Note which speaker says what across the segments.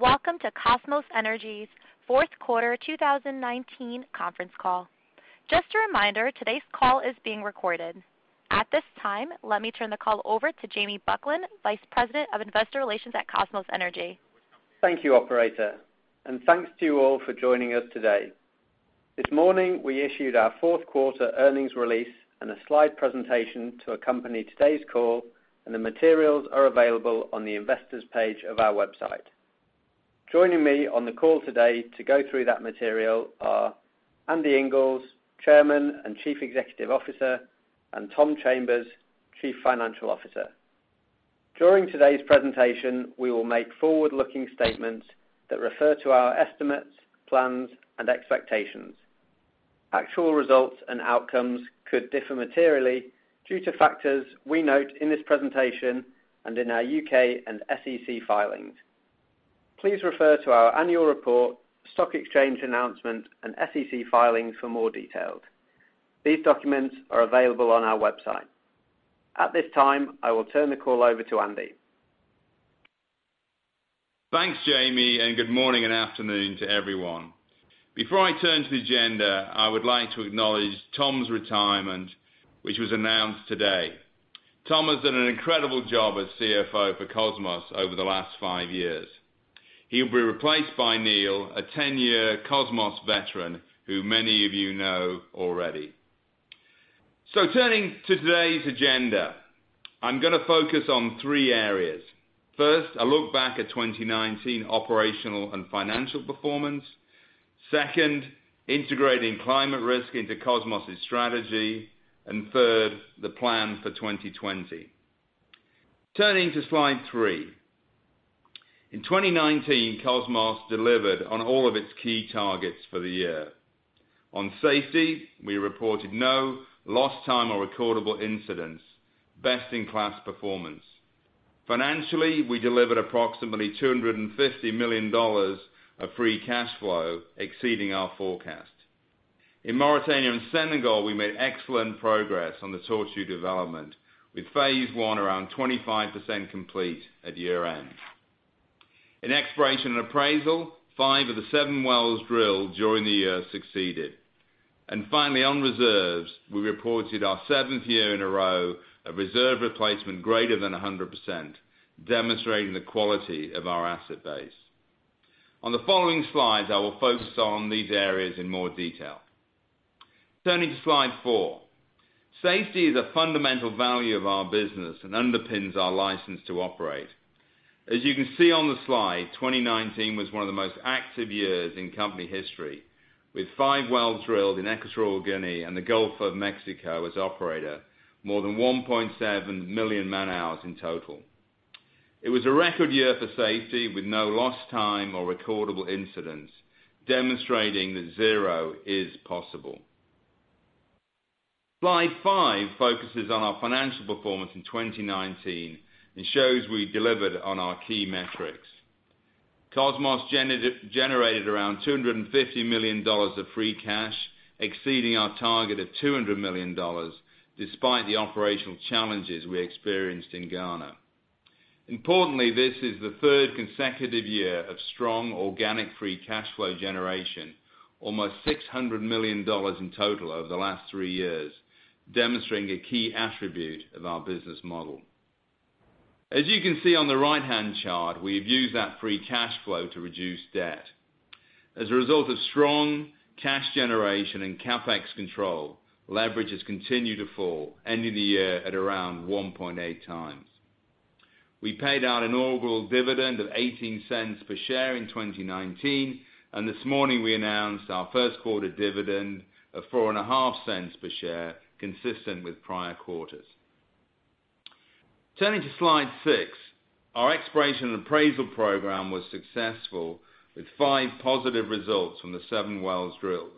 Speaker 1: Welcome to Kosmos Energy's fourth quarter 2019 conference call. Just a reminder, today's call is being recorded. At this time, let me turn the call over to Jamie Buckland, Vice President of Investor Relations at Kosmos Energy.
Speaker 2: Thank you, operator, and thanks to you all for joining us today. This morning, we issued our fourth quarter earnings release and a slide presentation to accompany today's call, and the materials are available on the investors page of our website. Joining me on the call today to go through that material are Andy Inglis, Chairman and Chief Executive Officer, and Tom Chambers, Chief Financial Officer. During today's presentation, we will make forward-looking statements that refer to our estimates, plans and expectations. Actual results and outcomes could differ materially due to factors we note in this presentation and in our U.K. and SEC filings. Please refer to our annual report, stock exchange announcement, and SEC filings for more details. These documents are available on our website. At this time, I will turn the call over to Andy.
Speaker 3: Thanks, Jamie. Good morning and afternoon to everyone. Before I turn to the agenda, I would like to acknowledge Tom's retirement, which was announced today. Tom has done an incredible job as Chief Financial Officer for Kosmos over the last five years. He'll be replaced by Neal, a 10-year Kosmos veteran, who many of you know already. Turning to today's agenda, I'm going to focus on three areas. First, a look back at 2019 operational and financial performance. Second, integrating climate risk into Kosmos' strategy. Third, the plan for 2020. Turning to slide three. In 2019, Kosmos delivered on all of its key targets for the year. On safety, we reported no lost time or recordable incidents, best-in-class performance. Financially, we delivered approximately $250 million of free cash flow, exceeding our forecast. In Mauritania and Senegal, we made excellent progress on the Tortue development, with phase one around 25% complete at year-end. In exploration and appraisal, five of the seven wells drilled during the year succeeded. Finally, on reserves, we reported our seventh year in a row of reserve replacement greater than 100%, demonstrating the quality of our asset base. On the following slides, I will focus on these areas in more detail. Turning to slide four. Safety is a fundamental value of our business and underpins our license to operate. As you can see on the slide, 2019 was one of the most active years in company history, with five wells drilled in Equatorial Guinea and the Gulf of Mexico as operator, more than 1.7 million man-hours in total. It was a record year for safety, with no lost time or recordable incidents, demonstrating that zero is possible. Slide five focuses on our financial performance in 2019 and shows we delivered on our key metrics. Kosmos generated around $250 million of free cash, exceeding our target of $200 million despite the operational challenges we experienced in Ghana. Importantly, this is the third consecutive year of strong organic free cash flow generation, almost $600 million in total over the last three years, demonstrating a key attribute of our business model. As you can see on the right-hand chart, we've used that free cash flow to reduce debt. As a result of strong cash generation and CapEx control, leverage has continued to fall, ending the year at around 1.8x. We paid out an overall dividend of $0.18 per share in 2019, and this morning, we announced our first quarter dividend of $0.045 per share, consistent with prior quarters. Turning to slide six. Our exploration and appraisal program was successful with five positive results from the seven wells drilled.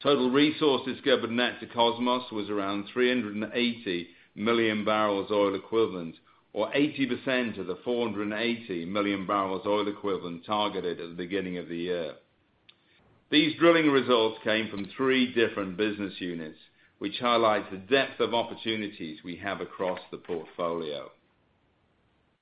Speaker 3: Total resources governed net to Kosmos was around 380 million bbl oil equivalent or 80% of the 480 million bbl oil equivalent targeted at the beginning of the year. These drilling results came from three different business units, which highlights the depth of opportunities we have across the portfolio.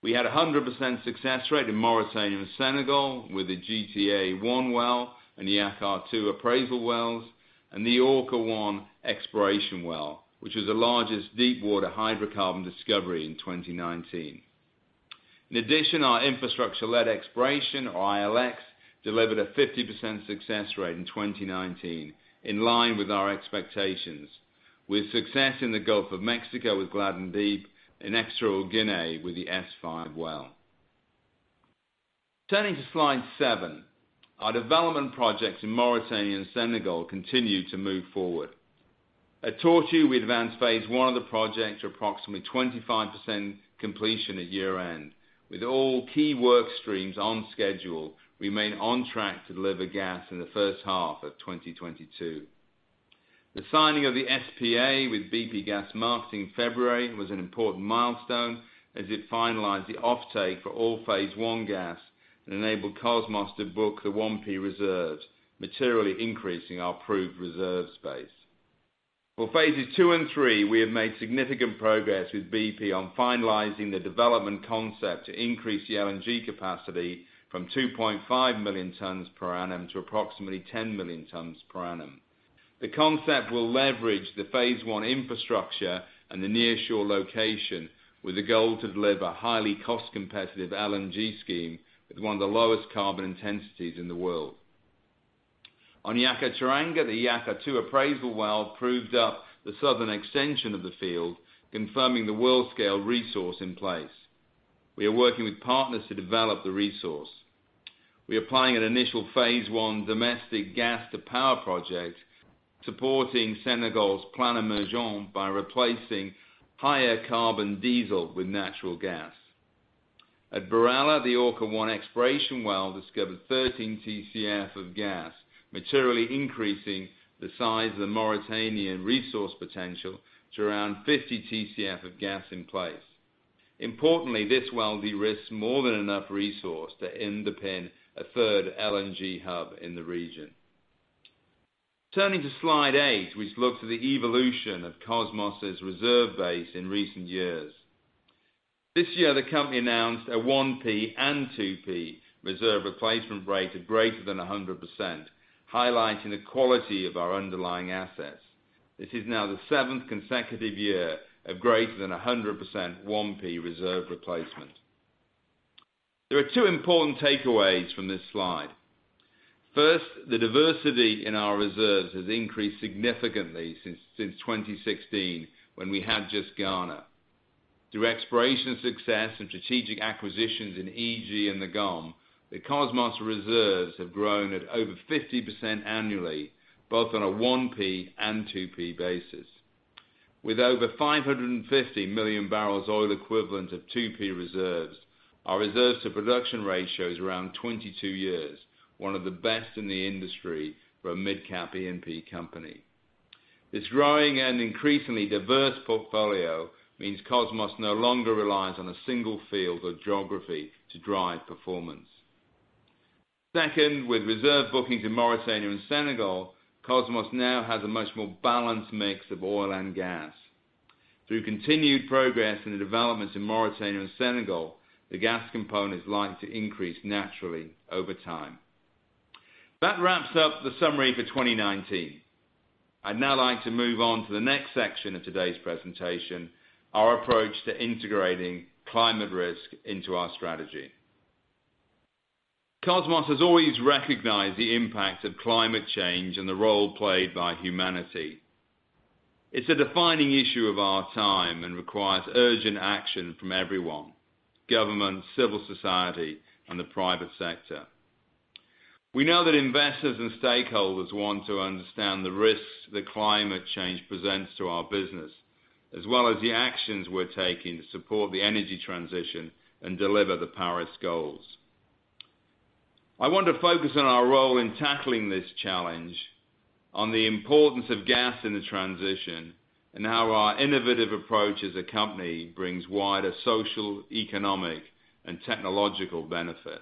Speaker 3: We had 100% success rate in Mauritania and Senegal with the GTA-1 well and the Yakaar-2 appraisal wells, and the Orca-1 exploration well, which was the largest deepwater hydrocarbon discovery in 2019. In addition, our infrastructure-led exploration, or ILX, delivered a 50% success rate in 2019, in line with our expectations, with success in the Gulf of Mexico with Gladden Deep, in Equatorial Guinea with the S-5 well. Turning to slide seven. Our development projects in Mauritania and Senegal continue to move forward. At Tortue, we advanced phase one of the project to approximately 25% completion at year-end. With all key work streams on schedule, we remain on track to deliver gas in the first half of 2022. The signing of the SPA with BP Gas Marketing in February was an important milestone as it finalized the offtake for all phase one gas and enabled Kosmos to book the 1P reserves, materially increasing our proved reserve space. For phases two and three, we have made significant progress with BP on finalizing the development concept to increase the LNG capacity from 2.5 million tons per annum to approximately 10 million tons per annum. The concept will leverage the phase one infrastructure and the nearshore location with the goal to deliver highly cost-competitive LNG scheme with one of the lowest carbon intensities in the world. On Yakaar-Teranga, the Yakaar-2 appraisal well proved up the southern extension of the field, confirming the world-scale resource in place. We are working with partners to develop the resource. We are planning an initial phase 1 domestic gas-to-power project supporting Senegal's Plan Émergence by replacing higher carbon diesel with natural gas. At BirAllah, the Orca-1 exploration well discovered 13 Tcf of gas, materially increasing the size of the Mauritanian resource potential to around 50 Tcf of gas in place. Importantly, this well de-risks more than enough resource to underpin a third LNG hub in the region. Turning to slide eight, which looks at the evolution of Kosmos' reserve base in recent years. This year, the company announced a 1P and 2P reserve replacement rate of greater than 100%, highlighting the quality of our underlying assets. This is now the seventh consecutive year of greater than 100% 1P reserve replacement. There are two important takeaways from this slide. First, the diversity in our reserves has increased significantly since 2016 when we had just Ghana. Through exploration success and strategic acquisitions in Egypt and the GOM, the Kosmos reserves have grown at over 50% annually, both on a 1P and 2P basis. With over 550 million bbl oil equivalent of 2P reserves, our reserves to production ratio is around 22 years, one of the best in the industry for a mid-cap E&P company. This growing and increasingly diverse portfolio means Kosmos no longer relies on a single field or geography to drive performance. Second, with reserve bookings in Mauritania and Senegal, Kosmos now has a much more balanced mix of oil and gas. Through continued progress in the developments in Mauritania and Senegal, the gas component is likely to increase naturally over time. That wraps up the summary for 2019. I'd now like to move on to the next section of today's presentation, our approach to integrating climate risk into our strategy. Kosmos has always recognized the impact of climate change and the role played by humanity. It's a defining issue of our time and requires urgent action from everyone, government, civil society, and the private sector. We know that investors and stakeholders want to understand the risks that climate change presents to our business, as well as the actions we're taking to support the energy transition and deliver the Paris goals. I want to focus on our role in tackling this challenge, on the importance of gas in the transition, and how our innovative approach as a company brings wider social, economic, and technological benefit.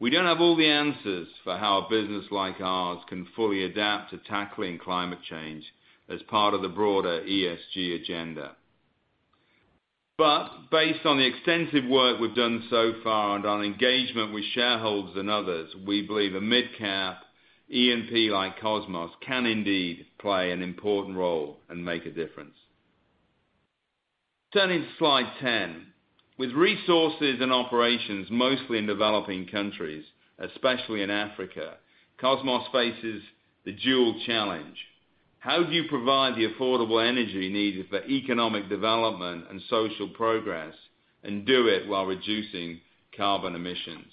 Speaker 3: We don't have all the answers for how a business like ours can fully adapt to tackling climate change as part of the broader ESG agenda. Based on the extensive work we've done so far and our engagement with shareholders and others, we believe a mid-cap E&P like Kosmos can indeed play an important role and make a difference. Turning to slide 10. With resources and operations mostly in developing countries, especially in Africa, Kosmos faces the dual challenge. How do you provide the affordable energy needed for economic development and social progress, and do it while reducing carbon emissions?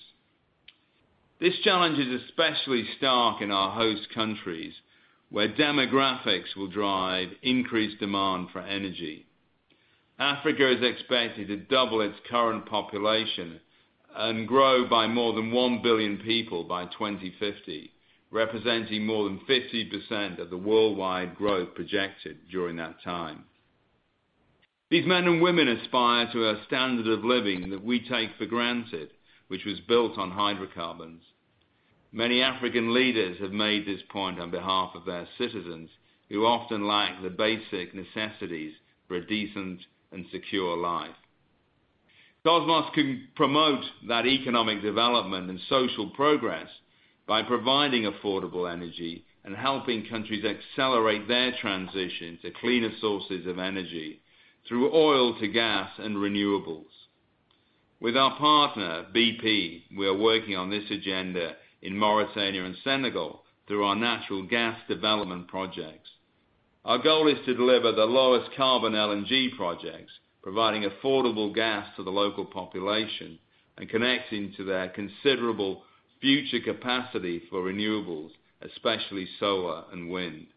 Speaker 3: This challenge is especially stark in our host countries, where demographics will drive increased demand for energy. Africa is expected to double its current population and grow by more than 1 billion people by 2050, representing more than 50% of the worldwide growth projected during that time. These men and women aspire to a standard of living that we take for granted, which was built on hydrocarbons. Many African leaders have made this point on behalf of their citizens, who often lack the basic necessities for a decent and secure life. Kosmos can promote that economic development and social progress by providing affordable energy and helping countries accelerate their transition to cleaner sources of energy through oil to gas and renewables. With our partner, BP, we are working on this agenda in Mauritania and Senegal through our natural gas development projects. Our goal is to deliver the lowest carbon LNG projects, providing affordable gas to the local population and connecting to their considerable future capacity for renewables, especially solar and wind.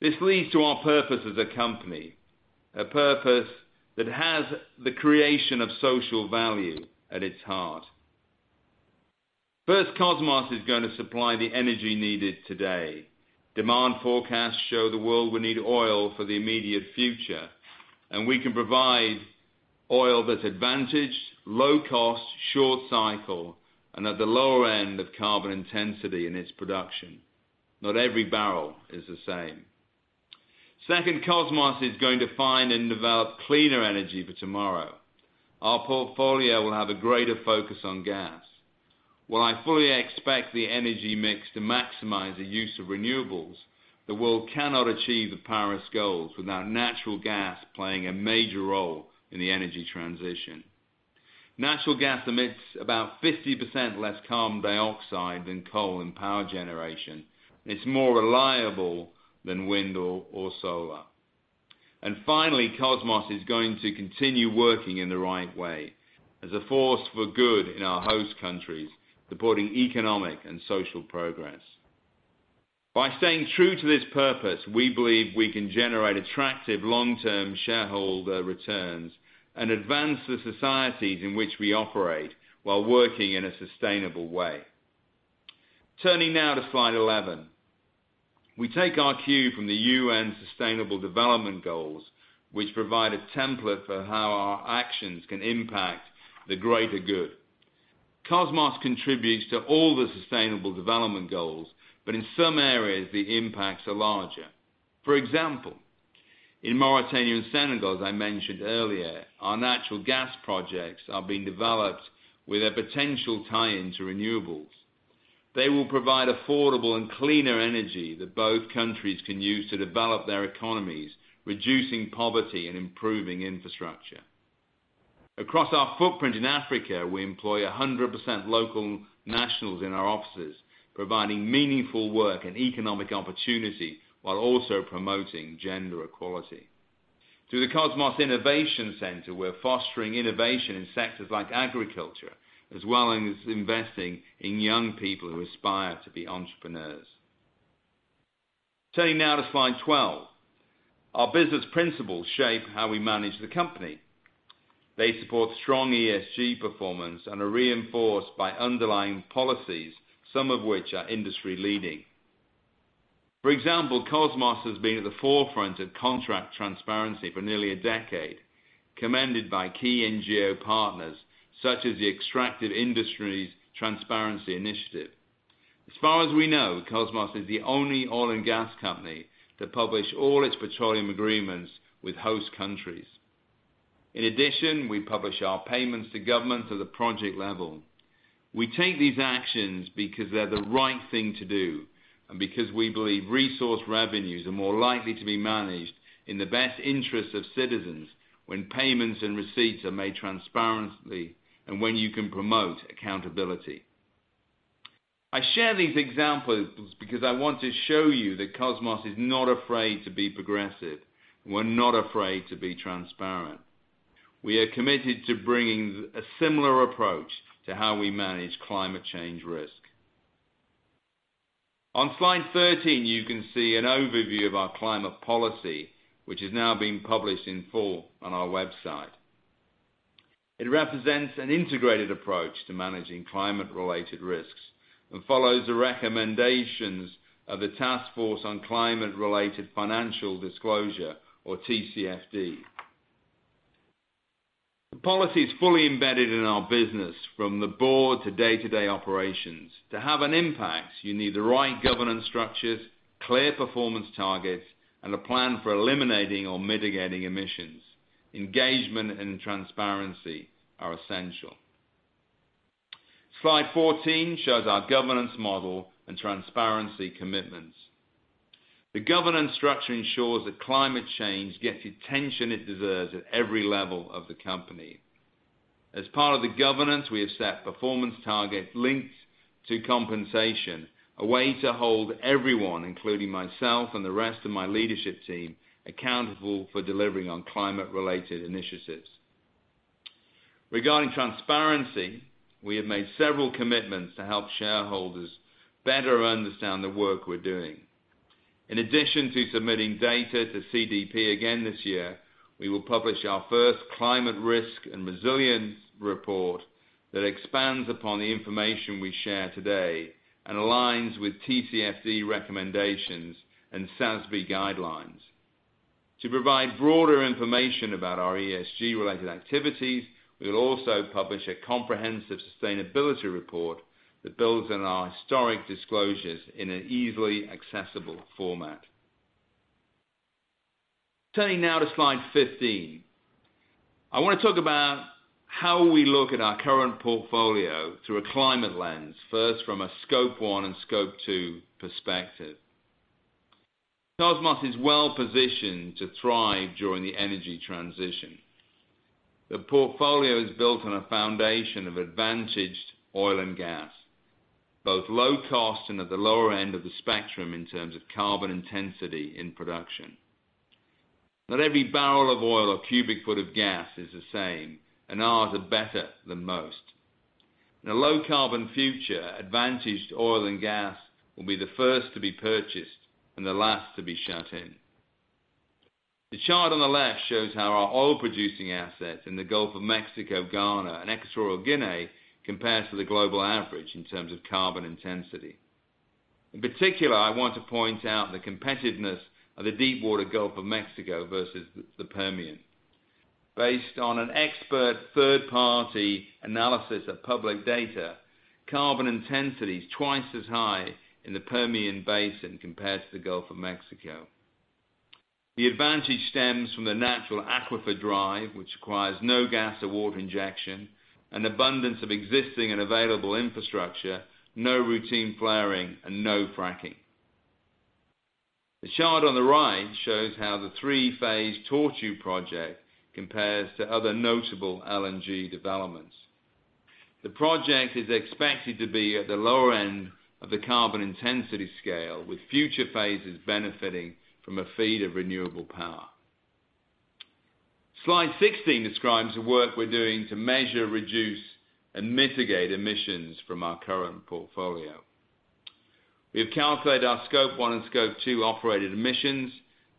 Speaker 3: This leads to our purpose as a company, a purpose that has the creation of social value at its heart. First, Kosmos is going to supply the energy needed today. Demand forecasts show the world will need oil for the immediate future, and we can provide oil that's advantaged, low cost, short cycle, and at the lower end of carbon intensity in its production. Not every barrel is the same. Second, Kosmos is going to find and develop cleaner energy for tomorrow. Our portfolio will have a greater focus on gas. While I fully expect the energy mix to maximize the use of renewables, the world cannot achieve the Paris goals without natural gas playing a major role in the energy transition. Natural gas emits about 50% less carbon dioxide than coal and power generation. It's more reliable than wind or solar. Finally, Kosmos is going to continue working in the right way as a force for good in our host countries, supporting economic and social progress. By staying true to this purpose, we believe we can generate attractive long-term shareholder returns and advance the societies in which we operate while working in a sustainable way. Turning now to slide 11. We take our cue from the UN Sustainable Development Goals, which provide a template for how our actions can impact the greater good. Kosmos contributes to all the Sustainable Development Goals, but in some areas, the impacts are larger. For example, in Mauritania and Senegal, as I mentioned earlier, our natural gas projects are being developed with a potential tie-in to renewables. They will provide affordable and cleaner energy that both countries can use to develop their economies, reducing poverty and improving infrastructure. Across our footprint in Africa, we employ 100% local nationals in our offices, providing meaningful work and economic opportunity while also promoting gender equality. Through the Kosmos Innovation Center, we're fostering innovation in sectors like agriculture, as well as investing in young people who aspire to be entrepreneurs. Turning now to slide 12. Our business principles shape how we manage the company. They support strong ESG performance and are reinforced by underlying policies, some of which are industry-leading. For example, Kosmos has been at the forefront of contract transparency for nearly a decade, commended by key NGO partners such as the Extractive Industries Transparency Initiative. As far as we know, Kosmos is the only oil and gas company to publish all its petroleum agreements with host countries. In addition, we publish our payments to government at the project level. We take these actions because they're the right thing to do and because we believe resource revenues are more likely to be managed in the best interests of citizens when payments and receipts are made transparently and when you can promote accountability. I share these examples because I want to show you that Kosmos is not afraid to be progressive. We're not afraid to be transparent. We are committed to bringing a similar approach to how we manage climate change risk. On slide 13, you can see an overview of our climate policy, which is now being published in full on our website. It represents an integrated approach to managing climate-related risks and follows the recommendations of the Task Force on Climate-related Financial Disclosure, or TCFD. The policy is fully embedded in our business, from the board to day-to-day operations. To have an impact, you need the right governance structures, clear performance targets, and a plan for eliminating or mitigating emissions. Engagement and transparency are essential. Slide 14 shows our governance model and transparency commitments. The governance structure ensures that climate change gets the attention it deserves at every level of the company. As part of the governance, we have set performance targets linked to compensation, a way to hold everyone, including myself and the rest of my leadership team, accountable for delivering on climate-related initiatives. Regarding transparency, we have made several commitments to help shareholders better understand the work we're doing. In addition to submitting data to CDP again this year, we will publish our first climate risk and resilience report that expands upon the information we share today and aligns with TCFD recommendations and SASB guidelines. To provide broader information about our ESG-related activities, we will also publish a comprehensive sustainability report that builds on our historic disclosures in an easily accessible format. Turning now to slide 15. I want to talk about how we look at our current portfolio through a climate lens, first from a Scope 1 and Scope 2 perspective. Kosmos is well-positioned to thrive during the energy transition. The portfolio is built on a foundation of advantaged oil and gas, both low cost and at the lower end of the spectrum in terms of carbon intensity in production. Not every barrel of oil or cubic foot of gas is the same, and ours are better than most. In a low-carbon future, advantaged oil and gas will be the first to be purchased and the last to be shut in. The chart on the left shows how our oil-producing assets in the Gulf of Mexico, Ghana, and Equatorial Guinea compare to the global average in terms of carbon intensity. In particular, I want to point out the competitiveness of the deepwater Gulf of Mexico versus the Permian. Based on an expert third-party analysis of public data, carbon intensity is twice as high in the Permian Basin compared to the Gulf of Mexico. The advantage stems from the natural aquifer drive, which requires no gas or water injection, an abundance of existing and available infrastructure, no routine flaring, and no fracking. The chart on the right shows how the three-phase Tortue project compares to other notable LNG developments. The project is expected to be at the lower end of the carbon intensity scale, with future phases benefiting from a feed of renewable power. Slide 16 describes the work we're doing to measure, reduce, and mitigate emissions from our current portfolio. We have calculated our Scope 1 and Scope 2 operated emissions,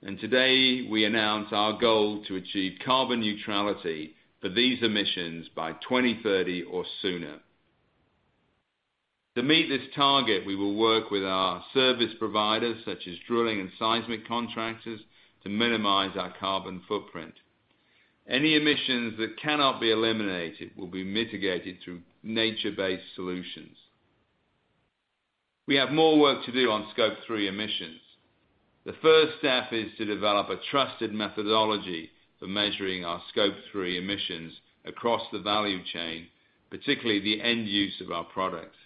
Speaker 3: and today we announce our goal to achieve carbon neutrality for these emissions by 2030 or sooner. To meet this target, we will work with our service providers, such as drilling and seismic contractors, to minimize our carbon footprint. Any emissions that cannot be eliminated will be mitigated through nature-based solutions. We have more work to do on Scope 3 emissions. The first step is to develop a trusted methodology for measuring our Scope 3 emissions across the value chain, particularly the end use of our products.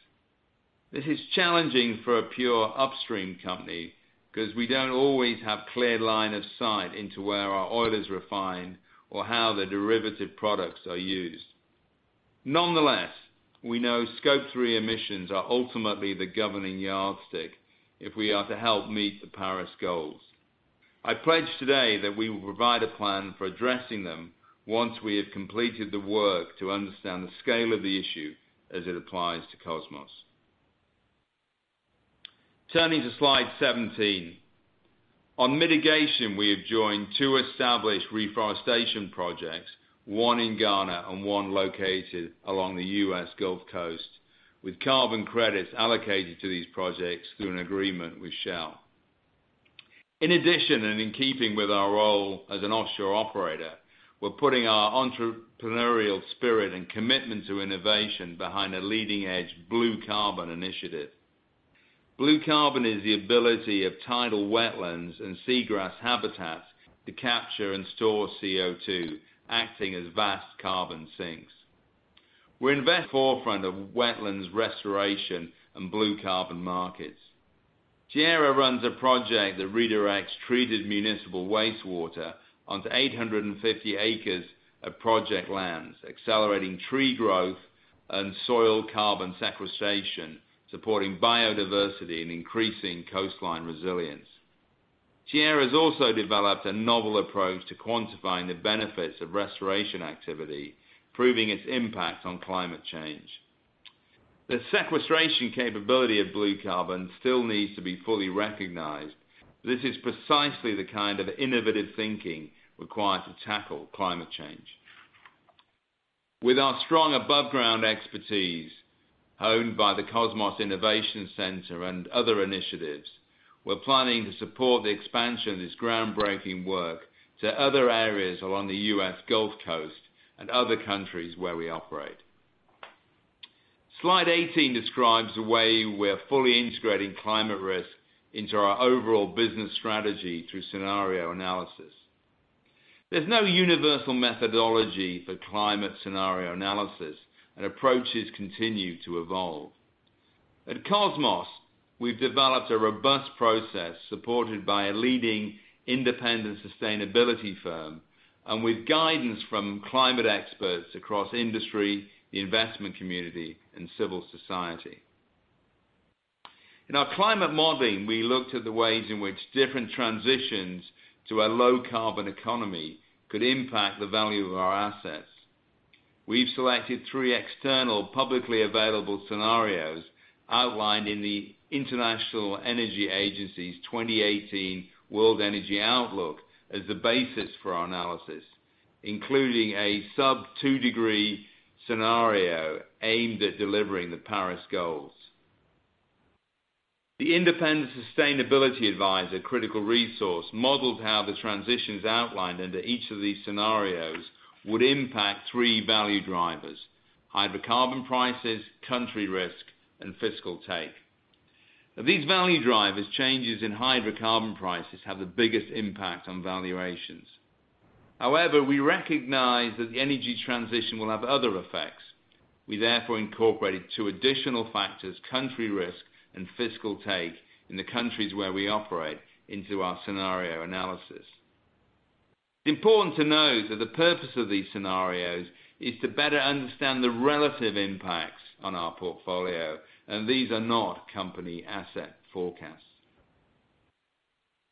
Speaker 3: This is challenging for a pure upstream company, because we don't always have clear line of sight into where our oil is refined or how the derivative products are used. Nonetheless, we know Scope 3 emissions are ultimately the governing yardstick if we are to help meet the Paris goals. I pledge today that we will provide a plan for addressing them once we have completed the work to understand the scale of the issue as it applies to Kosmos. Turning to slide 17. On mitigation, we have joined two established reforestation projects, one in Ghana and one located along the U.S. Gulf Coast, with carbon credits allocated to these projects through an agreement with Shell. In addition, and in keeping with our role as an offshore operator, we're putting our entrepreneurial spirit and commitment to innovation behind a leading-edge blue carbon initiative. Blue carbon is the ability of tidal wetlands and seagrass habitats to capture and store CO2, acting as vast carbon sinks. We invest forefront of wetlands restoration and blue carbon markets. Tierra runs a project that redirects treated municipal wastewater onto 850 acres of project lands, accelerating tree growth and soil carbon sequestration, supporting biodiversity and increasing coastline resilience. Tierra has also developed a novel approach to quantifying the benefits of restoration activity, proving its impact on climate change. The sequestration capability of blue carbon still needs to be fully recognized. This is precisely the kind of innovative thinking required to tackle climate change. With our strong above ground expertise, honed by the Kosmos Innovation Center and other initiatives, we're planning to support the expansion of this groundbreaking work to other areas along the U.S. Gulf Coast and other countries where we operate. Slide 18 describes the way we're fully integrating climate risk into our overall business strategy through scenario analysis. There's no universal methodology for climate scenario analysis, and approaches continue to evolve. At Kosmos, we've developed a robust process supported by a leading independent sustainability firm and with guidance from climate experts across industry, the investment community, and civil society. In our climate modeling, we looked at the ways in which different transitions to a low-carbon economy could impact the value of our assets. We've selected three external publicly available scenarios outlined in the International Energy Agency's 2018 World Energy Outlook as the basis for our analysis, including a sub two degree scenario aimed at delivering the Paris goals. The independent sustainability advisor, Critical Resource, modeled how the transitions outlined under each of these scenarios would impact three value drivers, hydrocarbon prices, country risk, and fiscal take. Of these value drivers, changes in hydrocarbon prices have the biggest impact on valuations. However, we recognize that the energy transition will have other effects. We therefore incorporated two additional factors, country risk and fiscal take in the countries where we operate, into our scenario analysis. Important to note that the purpose of these scenarios is to better understand the relative impacts on our portfolio, and these are not company asset forecasts.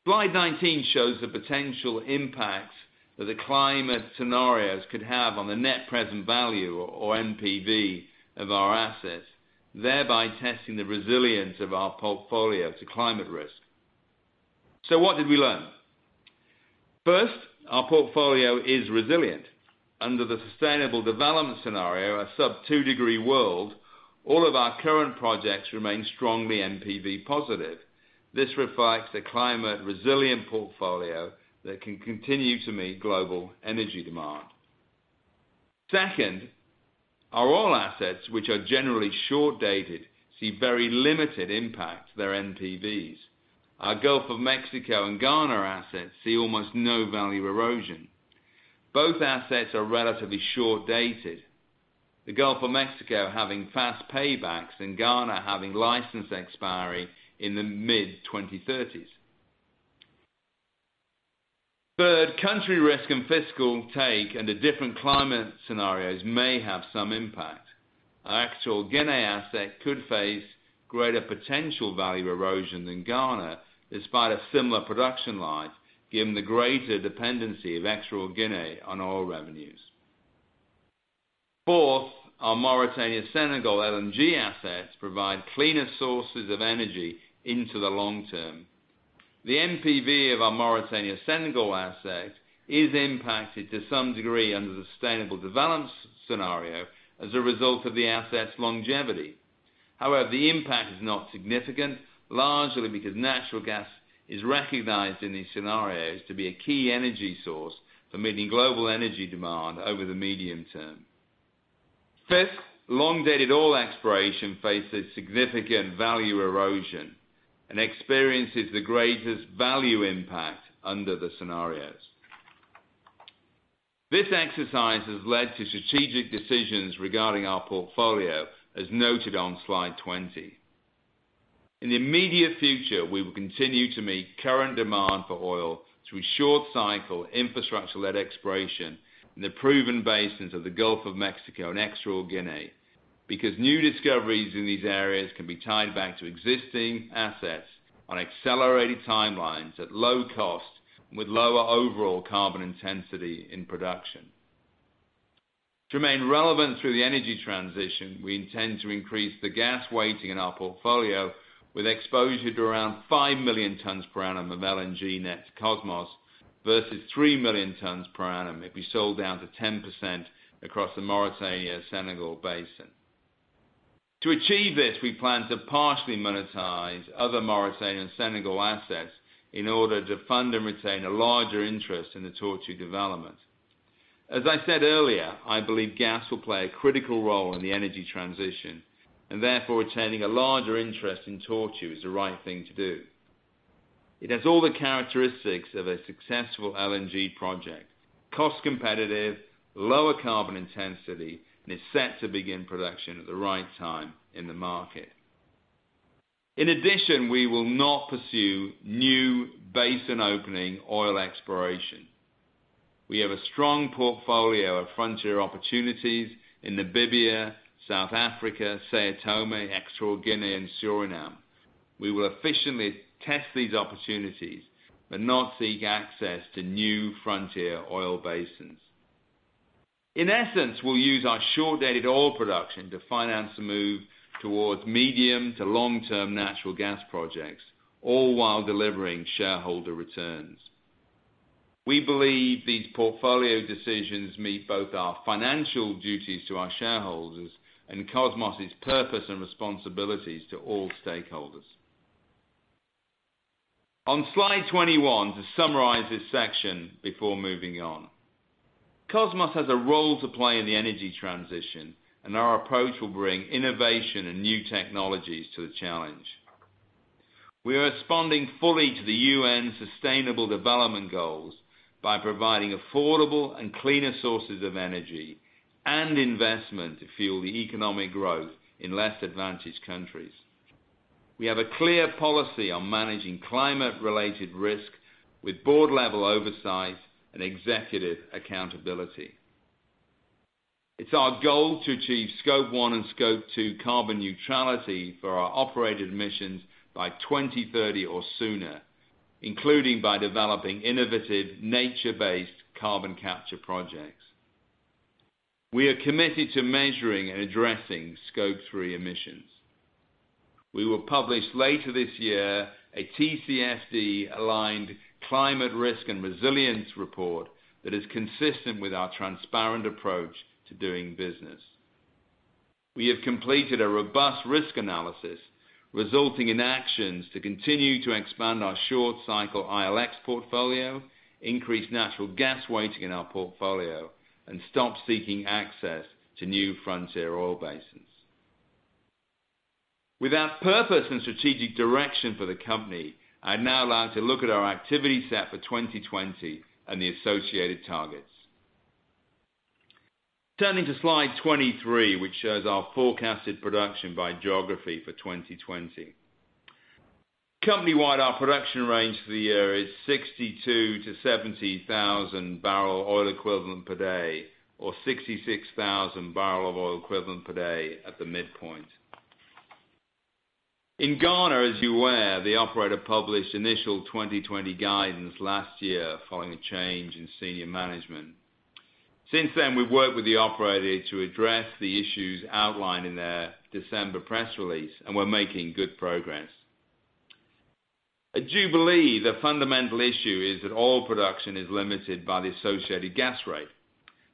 Speaker 3: Slide 19 shows the potential impact that the climate scenarios could have on the net present value, or NPV, of our assets, thereby testing the resilience of our portfolio to climate risk. What did we learn? First, our portfolio is resilient. Under the sustainable development scenario, a sub two-degree world, all of our current projects remain strongly NPV positive. This reflects the climate resilient portfolio that can continue to meet global energy demand. Second, our oil assets, which are generally short-dated, see very limited impact to their NPVs. Our Gulf of Mexico and Ghana assets see almost no value erosion. Both assets are relatively short-dated, the Gulf of Mexico having fast paybacks and Ghana having license expiry in the mid-2030s. Third, country risk and fiscal take under different climate scenarios may have some impact. Our Equatorial Guinea asset could face greater potential value erosion than Ghana despite a similar production life, given the greater dependency of Equatorial Guinea on oil revenues. Fourth, our Mauritania Senegal LNG assets provide cleaner sources of energy into the long term. The NPV of our Mauritania Senegal asset is impacted to some degree under the sustainable development scenario as a result of the asset's longevity. However, the impact is not significant, largely because natural gas is recognized in these scenarios to be a key energy source for meeting global energy demand over the medium term. Fifth, long-dated oil exploration faces significant value erosion and experiences the greatest value impact under the scenarios. This exercise has led to strategic decisions regarding our portfolio, as noted on slide 20. In the immediate future, we will continue to meet current demand for oil through short-cycle, infrastructure-led exploration in the proven basins of the Gulf of Mexico and Equatorial Guinea, because new discoveries in these areas can be tied back to existing assets on accelerated timelines at low cost, and with lower overall carbon intensity in production. To remain relevant through the energy transition, we intend to increase the gas weighting in our portfolio with exposure to around 5 million tons per annum of LNG net to Kosmos versus 3 million tons per annum if we sold down to 10% across the Mauritania Senegal Basin. To achieve this, we plan to partially monetize other Mauritania and Senegal assets in order to fund and retain a larger interest in the Tortue development. As I said earlier, I believe gas will play a critical role in the energy transition, and therefore retaining a larger interest in Tortue is the right thing to do. It has all the characteristics of a successful LNG project, cost competitive, lower carbon intensity, and is set to begin production at the right time in the market. In addition, we will not pursue new basin-opening oil exploration. We have a strong portfolio of frontier opportunities in Namibia, South Africa, São Tomé, Equatorial Guinea, and Suriname. We will efficiently test these opportunities but not seek access to new frontier oil basins. In essence, we'll use our short-dated oil production to finance the move towards medium to long-term natural gas projects, all while delivering shareholder returns. We believe these portfolio decisions meet both our financial duties to our shareholders and Kosmos's purpose and responsibilities to all stakeholders. On slide 21, to summarize this section before moving on. Kosmos has a role to play in the energy transition, and our approach will bring innovation and new technologies to the challenge. We are responding fully to the UN Sustainable Development Goals by providing affordable and cleaner sources of energy and investment to fuel the economic growth in less advantaged countries. We have a clear policy on managing climate-related risk with board-level oversight and executive accountability. It's our goal to achieve Scope 1 and Scope 2 carbon neutrality for our operated emissions by 2030 or sooner, including by developing innovative nature-based carbon capture projects. We are committed to measuring and addressing Scope 3 emissions. We will publish later this year a TCFD-aligned climate risk and resilience report that is consistent with our transparent approach to doing business. We have completed a robust risk analysis resulting in actions to continue to expand our short cycle ILX portfolio, increase natural gas weighting in our portfolio, and stop seeking access to new frontier oil basins. With our purpose and strategic direction for the company, I'd now like to look at our activity set for 2020 and the associated targets. Turning to slide 23, which shows our forecasted production by geography for 2020. Company-wide, our production range for the year is 62,000 bbl-70,000 bbl oil equivalent per day, or 66,000 bbl of oil equivalent per day at the midpoint. In Ghana, as you are aware, the operator published initial 2020 guidance last year following a change in senior management. Since then, we've worked with the operator to address the issues outlined in their December press release, and we're making good progress. At Jubilee, the fundamental issue is that oil production is limited by the associated gas rate.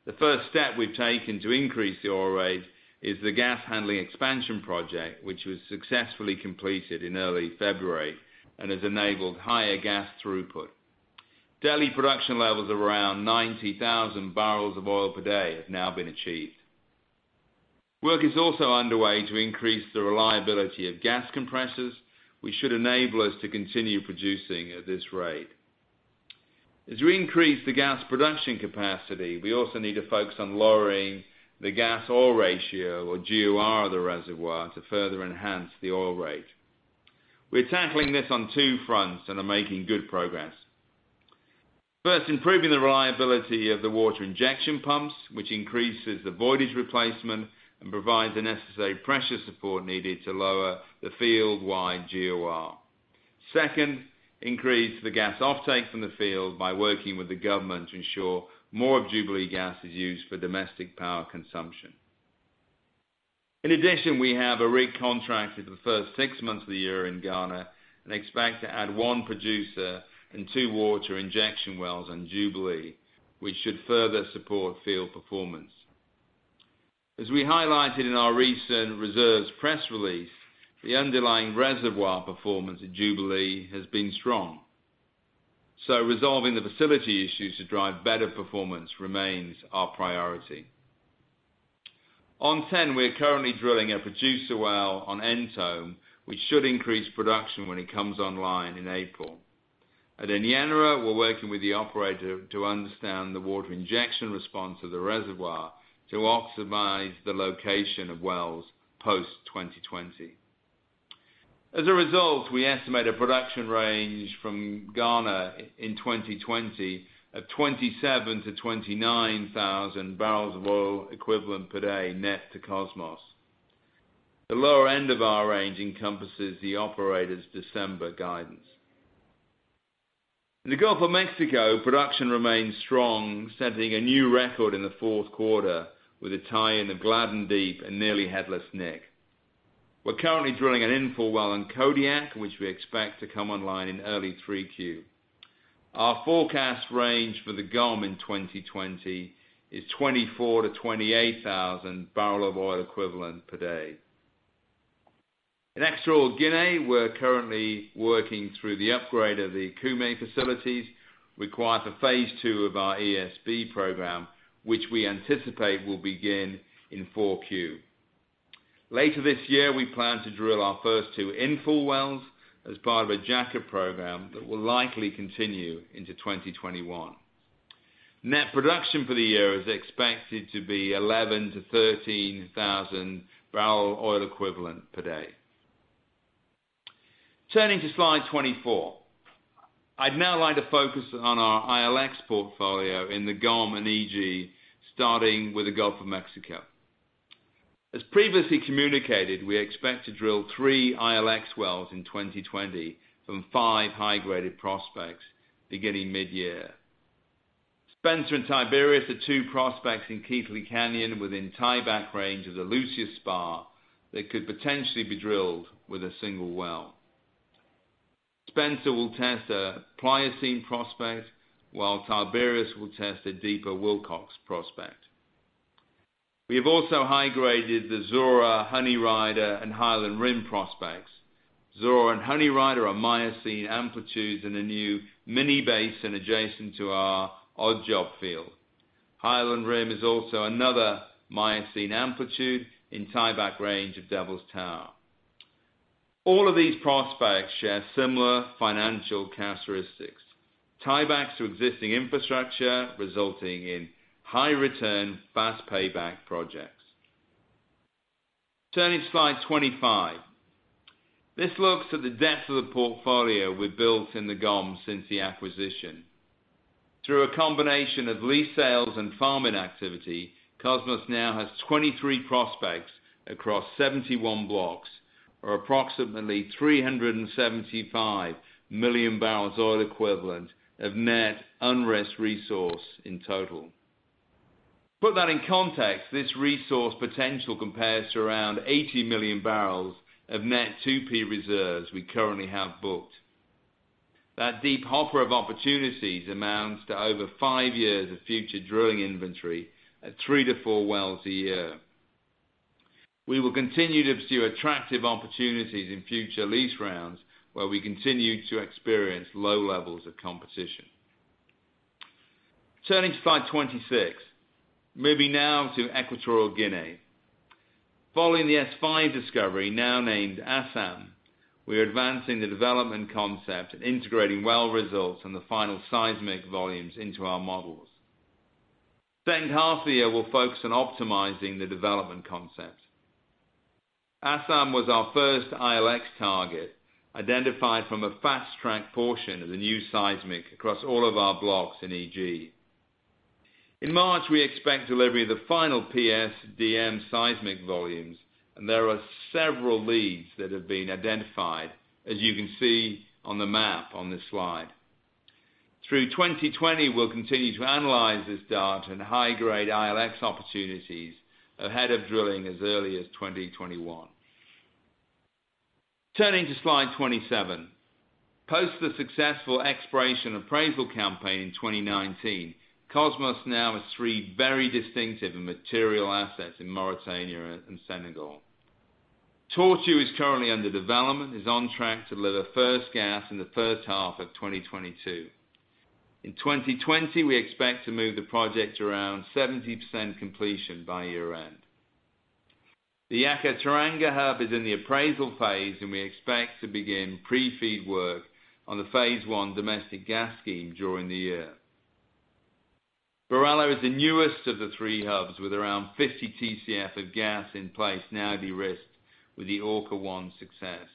Speaker 3: The first step we've taken to increase the oil rate is the gas handling expansion project, which was successfully completed in early February and has enabled higher gas throughput. Daily production levels of around 90,000 bbl of oil per day have now been achieved. Work is also underway to increase the reliability of gas compressors, which should enable us to continue producing at this rate. As we increase the gas production capacity, we also need to focus on lowering the gas-oil ratio or GOR of the reservoir to further enhance the oil rate. We're tackling this on two fronts and are making good progress. First, improving the reliability of the water injection pumps, which increases the voidage replacement and provides the necessary pressure support needed to lower the fieldwide GOR. Second, increase the gas offtake from the field by working with the government to ensure more Jubilee gas is used for domestic power consumption. In addition, we have a rig contracted for the first six months of the year in Ghana and expect to add one producer and two water injection wells on Jubilee, which should further support field performance. As we highlighted in our recent reserves press release, the underlying reservoir performance at Jubilee has been strong. Resolving the facility issues to drive better performance remains our priority. On TEN, we are currently drilling a producer well on Ntomme, which should increase production when it comes online in April. At Enyenra, we're working with the operator to understand the water injection response of the reservoir to optimize the location of wells post 2020. As a result, we estimate a production range from Ghana in 2020 of 27,000 bbl-29,000 bbl of oil equivalent per day net to Kosmos. The lower end of our range encompasses the operator's December guidance. In the Gulf of Mexico, production remains strong, setting a new record in the fourth quarter with the tie-in of Gladden Deep and Nearly Headless Nick. We're currently drilling an infill well in Kodiak, which we expect to come online in early 3Q. Our forecast range for the GOM in 2020 is 24,000 bbl-28,000 bbl of oil equivalent per day. In Equatorial Guinea, we're currently working through the upgrade of the Okume facilities required for phase two of our ESP program, which we anticipate will begin in 4Q. Later this year, we plan to drill our first two infill wells as part of a jackup program that will likely continue into 2021. Net production for the year is expected to be 11,000 bbl-13,000 bbl oil equivalent per day. Turning to slide 24. I'd now like to focus on our ILX portfolio in the GOM and E.G., starting with the Gulf of Mexico. As previously communicated, we expect to drill three ILX wells in 2020 from five high-graded prospects beginning mid-year. Spencer and Tiberius are two prospects in Keathley Canyon within tieback range of the Lucius spar that could potentially be drilled with a single well. Spencer will test a Pliocene prospect, while Tiberius will test a deeper Wilcox prospect. We have also high-graded the Zora, Honey Rider, and Highland Rim prospects. Zora and Honey Rider are Miocene amplitudes in a new mini basin adjacent to our Odd Job Field. Highland Rim is also another Miocene amplitude in tieback range of Devils Tower. All of these prospects share similar financial characteristics, tiebacks to existing infrastructure, resulting in high return, fast payback projects. Turning to slide 25. This looks at the depth of the portfolio we built in the GOM since the acquisition. Through a combination of lease sales and farming activity, Kosmos now has 23 prospects across 71 blocks or approximately 375 million bbl oil equivalent of net unrisked resource in total. To put that in context, this resource potential compares to around 80 million bbl of net 2P reserves we currently have booked. That deep hopper of opportunities amounts to over five years of future drilling inventory at three to four wells a year. We will continue to pursue attractive opportunities in future lease rounds where we continue to experience low levels of competition. Turning to slide 26. Moving now to Equatorial Guinea. Following the S-5 discovery now named Asam, we are advancing the development concept and integrating well results and the final seismic volumes into our models. Second half of the year, we'll focus on optimizing the development concept. Asam was our first ILX target, identified from a fast-track portion of the new seismic across all of our blocks in E.G. In March, we expect delivery of the final PSDM seismic volumes. There are several leads that have been identified, as you can see on the map on this slide. Through 2020, we'll continue to analyze this data and high grade ILX opportunities ahead of drilling as early as 2021. Turning to slide 27. Post the successful exploration appraisal campaign in 2019, Kosmos now has three very distinctive and material assets in Mauritania and Senegal. Tortue is currently under development, is on track to deliver first gas in the first half of 2022. In 2020, we expect to move the project around 70% completion by year-end. The Yakaar-Teranga Hub is in the appraisal phase. We expect to begin pre-FEED work on the phase one domestic gas scheme during the year. BirAllah is the newest of the three hubs with around 50 Tcf of gas in place now de-risked with the Orca-1 success.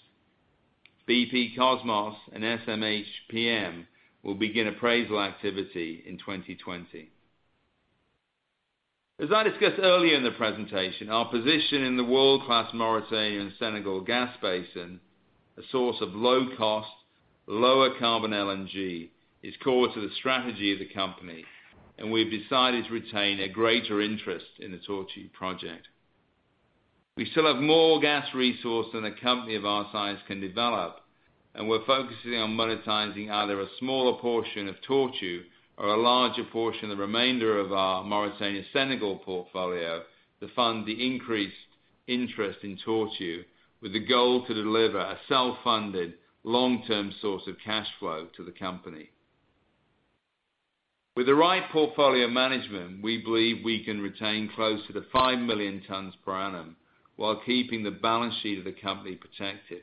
Speaker 3: BP, Kosmos, and SMHPM will begin appraisal activity in 2020. As I discussed earlier in the presentation, our position in the world-class Mauritania and Senegal gas basin, a source of low cost, lower carbon LNG, is core to the strategy of the company. We've decided to retain a greater interest in the Tortue project. We still have more gas resource than a company of our size can develop. We're focusing on monetizing either a smaller portion of Tortue or a larger portion of the remainder of our Mauritania Senegal portfolio to fund the increased interest in Tortue with the goal to deliver a self-funded, long-term source of cash flow to the company. With the right portfolio management, we believe we can retain close to the 5 million tons per annum while keeping the balance sheet of the company protected.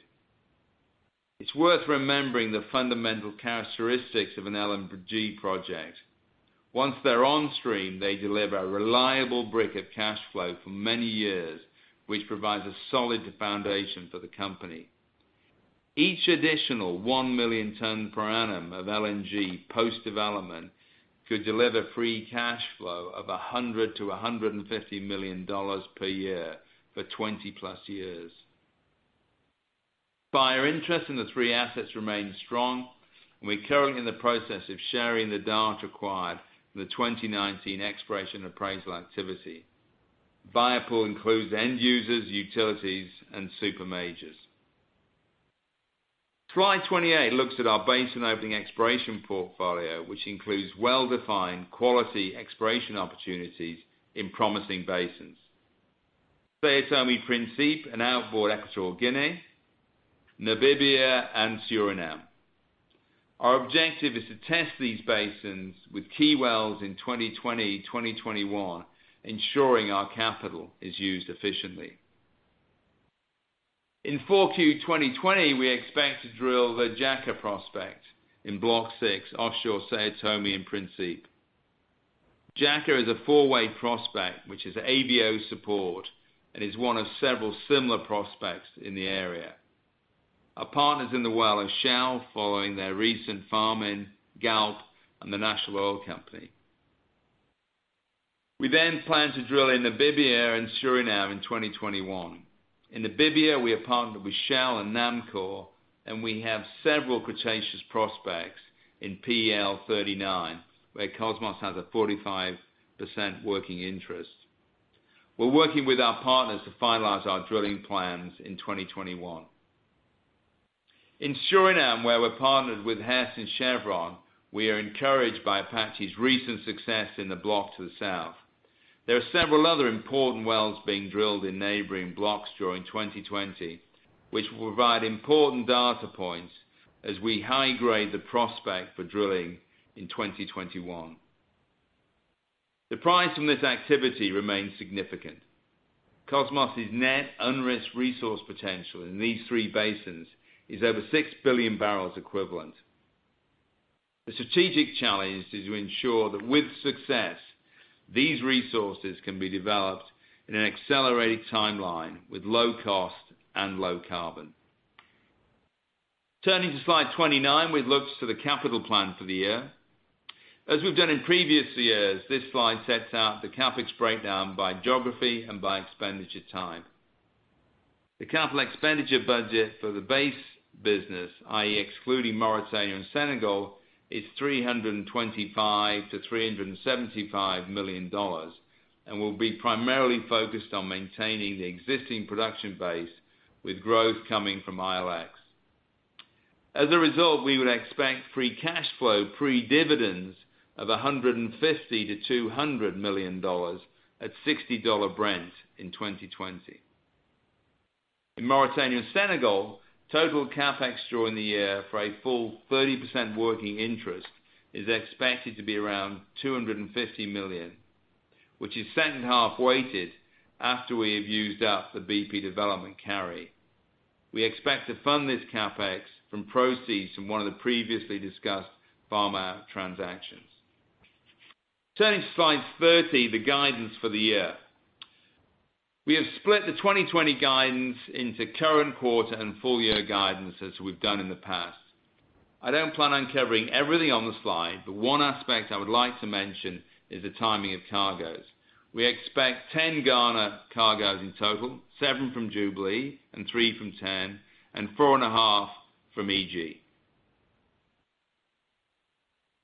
Speaker 3: It's worth remembering the fundamental characteristics of an LNG project. Once they're on stream, they deliver a reliable brick of cash flow for many years, which provides a solid foundation for the company. Each additional 1 million ton per annum of LNG post-development could deliver free cash flow of $100 million-$150 million per year for 20+ years. Buyer interest in the three assets remains strong, and we're currently in the process of sharing the data acquired in the 2019 exploration appraisal activity. Buyer pool includes end users, utilities, and super majors. Slide 28 looks at our basin opening exploration portfolio, which includes well-defined quality exploration opportunities in promising basins. São Tomé/Príncipe and outboard Equatorial Guinea, Namibia, and Suriname. Our objective is to test these basins with key wells in 2020, 2021, ensuring our capital is used efficiently. In 4Q 2020, we expect to drill the Jaca prospect in Block 6, offshore São Tomé and Príncipe. Jaca is a four-way prospect which has AVO support and is one of several similar prospects in the area. Our partners in the well are Shell following their recent farm-in, Galp, and the National Oil Company. We plan to drill in Namibia and Suriname in 2021. In Namibia, we are partnered with Shell and NAMCOR, and we have several Cretaceous prospects in PEL 39, where Kosmos has a 45% working interest. We're working with our partners to finalize our drilling plans in 2021. In Suriname, where we're partnered with Hess and Chevron, we are encouraged by Apache's recent success in the block to the south. There are several other important wells being drilled in neighboring blocks during 2020, which will provide important data points as we high-grade the prospect for drilling in 2021. The prize from this activity remains significant. Kosmos's net unrisked resource potential in these three basins is over 6 billion bbl equivalent. The strategic challenge is to ensure that with success, these resources can be developed in an accelerated timeline with low cost and low carbon. Turning to slide 29, we've looked to the capital plan for the year. As we've done in previous years, this slide sets out the CapEx breakdown by geography and by expenditure time. The capital expenditure budget for the base business, i.e., excluding Mauritania and Senegal, is $325 million-$375 million and will be primarily focused on maintaining the existing production base with growth coming from ILX. As a result, we would expect free cash flow, pre-dividends of $150 million-$200 million at $60 Brent in 2020. In Mauritania and Senegal, total CapEx during the year for a full 30% working interest is expected to be around $250 million, which is second half weighted after we have used up the BP development carry. We expect to fund this CapEx from proceeds from one of the previously discussed farm out transactions. Turning to slide 30, the guidance for the year. We have split the 2020 guidance into current quarter and full-year guidance as we've done in the past. I don't plan on covering everything on the slide, but one aspect I would like to mention is the timing of cargoes. We expect 10 Ghana cargoes in total, seven from Jubilee and three from TEN, and 4.5 from E.G.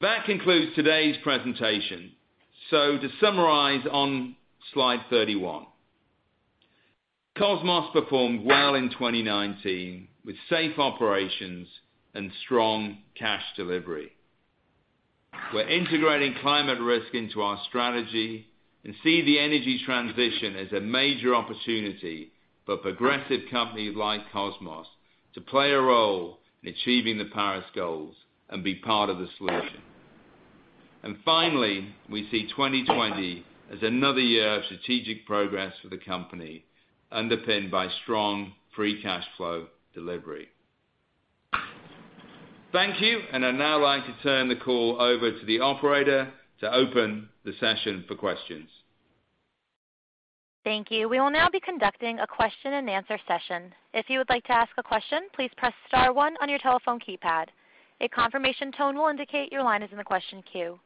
Speaker 3: That concludes today's presentation. To summarize on slide 31. Kosmos performed well in 2019, with safe operations and strong cash delivery. We're integrating climate risk into our strategy and see the energy transition as a major opportunity for progressive companies like Kosmos to play a role in achieving the Paris goals and be part of the solution. Finally, we see 2020 as another year of strategic progress for the company, underpinned by strong free cash flow delivery. Thank you. I'd now like to turn the call over to the operator to open the session for questions.
Speaker 1: Thank you. We will now be conducting a question and answer session. If you would like to ask a question, please press star one on your telephone keypad. A confirmation tone will indicate your line is in the question queue.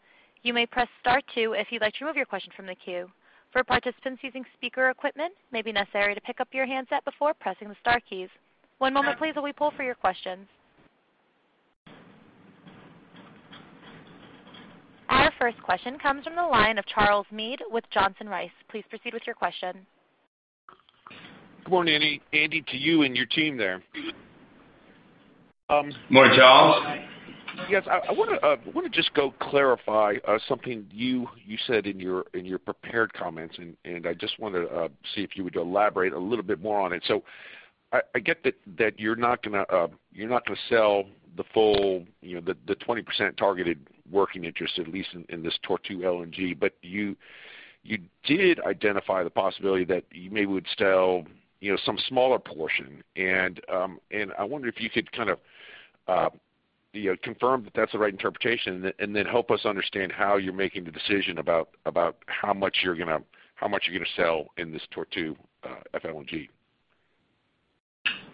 Speaker 1: You may press star two if you'd like to remove your question from the queue. For participants using speaker equipment, it may be necessary to pick up your handset before pressing the star keys. One moment please while we poll for your questions. Our first question comes from the line of Charles Meade with Johnson Rice. Please proceed with your question.
Speaker 4: Good morning, Andy, to you and your team there.
Speaker 3: Morning, Charles.
Speaker 4: Yes, I want to just go clarify something you said in your prepared comments. I just want to see if you would elaborate a little bit more on it. I get that you're not going to sell the full, the 20% targeted working interest, at least in this Tortue LNG. You did identify the possibility that you maybe would sell some smaller portion. I wonder if you could kind of confirm that that's the right interpretation and help us understand how you're making the decision about how much you're going to sell in this Tortue FLNG.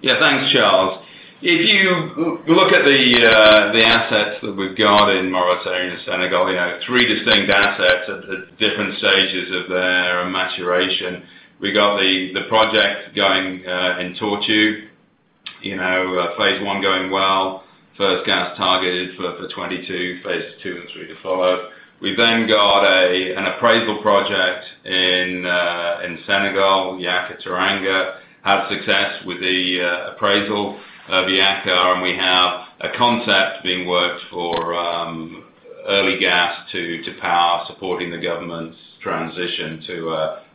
Speaker 3: Thanks, Charles. If you look at the assets that we've got in Mauritania, Senegal, three distinct assets at different stages of their maturation. We got the project going in Tortue. Phase 1 going well. First gas targeted for 2022. Phase 2 and 3 to follow. We've then got an appraisal project in Senegal, Yakaar-Teranga. Had success with the appraisal of Yakaar, and we have a concept being worked for early gas to power supporting the government's transition to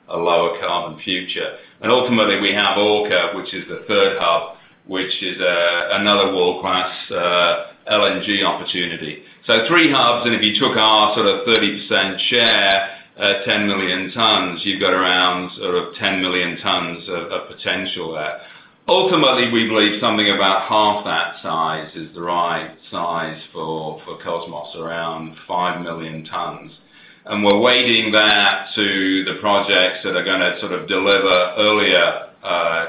Speaker 3: a lower carbon future. Ultimately we have Orca, which is the third hub, which is another world-class LNG opportunity. Three hubs, and if you took our sort of 30% share, 10 million tons, you've got around 10 million tons of potential there. Ultimately, we believe something about half that size is the right size for Kosmos, around 5 million tons. We're weighting that to the projects that are going to sort of deliver earlier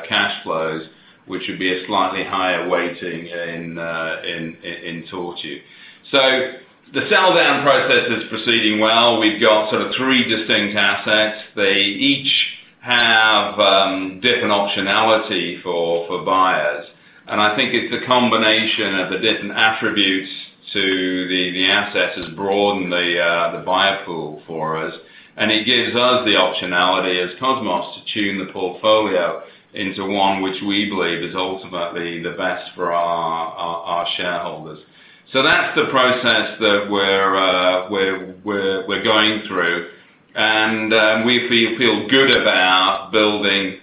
Speaker 3: cash flows, which would be a slightly higher weighting in Tortue. The sell-down process is proceeding well. We've got sort of three distinct assets. They each have different optionality for buyers, and I think it's a combination of the different attributes to the assets has broadened the buyer pool for us, and it gives us the optionality as Kosmos to tune the portfolio into one which we believe is ultimately the best for our shareholders. That's the process that we're going through, and we feel good about building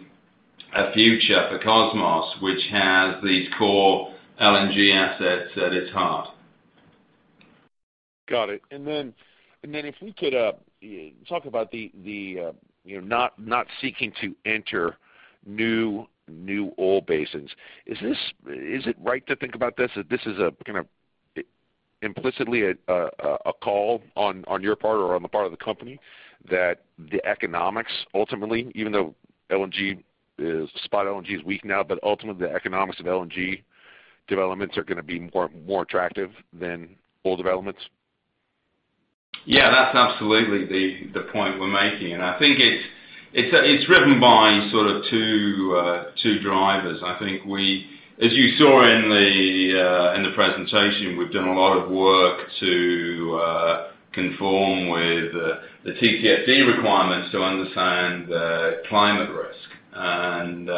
Speaker 3: a future for Kosmos, which has these core LNG assets at its heart.
Speaker 4: Got it. Then if we could talk about the not seeking to enter new oil basins. Is it right to think about this, that this is a kind of implicitly a call on your part or on the part of the company that the economics ultimately, even though spot LNG is weak now, but ultimately the economics of LNG developments are going to be more attractive than oil developments?
Speaker 3: Yeah, that's absolutely the point we're making. I think it's driven by sort of two drivers. I think as you saw in the presentation, we've done a lot of work to conform with the TCFD requirements to understand the climate risk.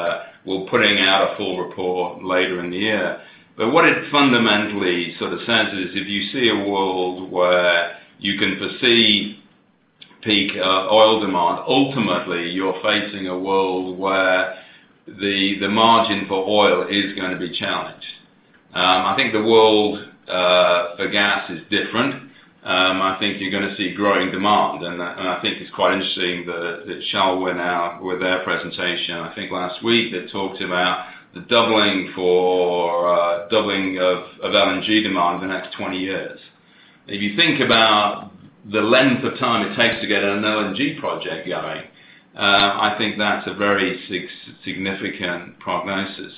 Speaker 3: We're putting out a full report later in the year. What it fundamentally sort of says is, if you see a world where you can foresee peak oil demand, ultimately you're facing a world where the margin for oil is going to be challenged. I think the world for gas is different. I think you're going to see growing demand, and I think it's quite interesting that Shell went out with their presentation, I think last week, that talked about the doubling of LNG demand in the next 20 years. If you think about the length of time it takes to get an LNG project going, I think that's a very significant prognosis.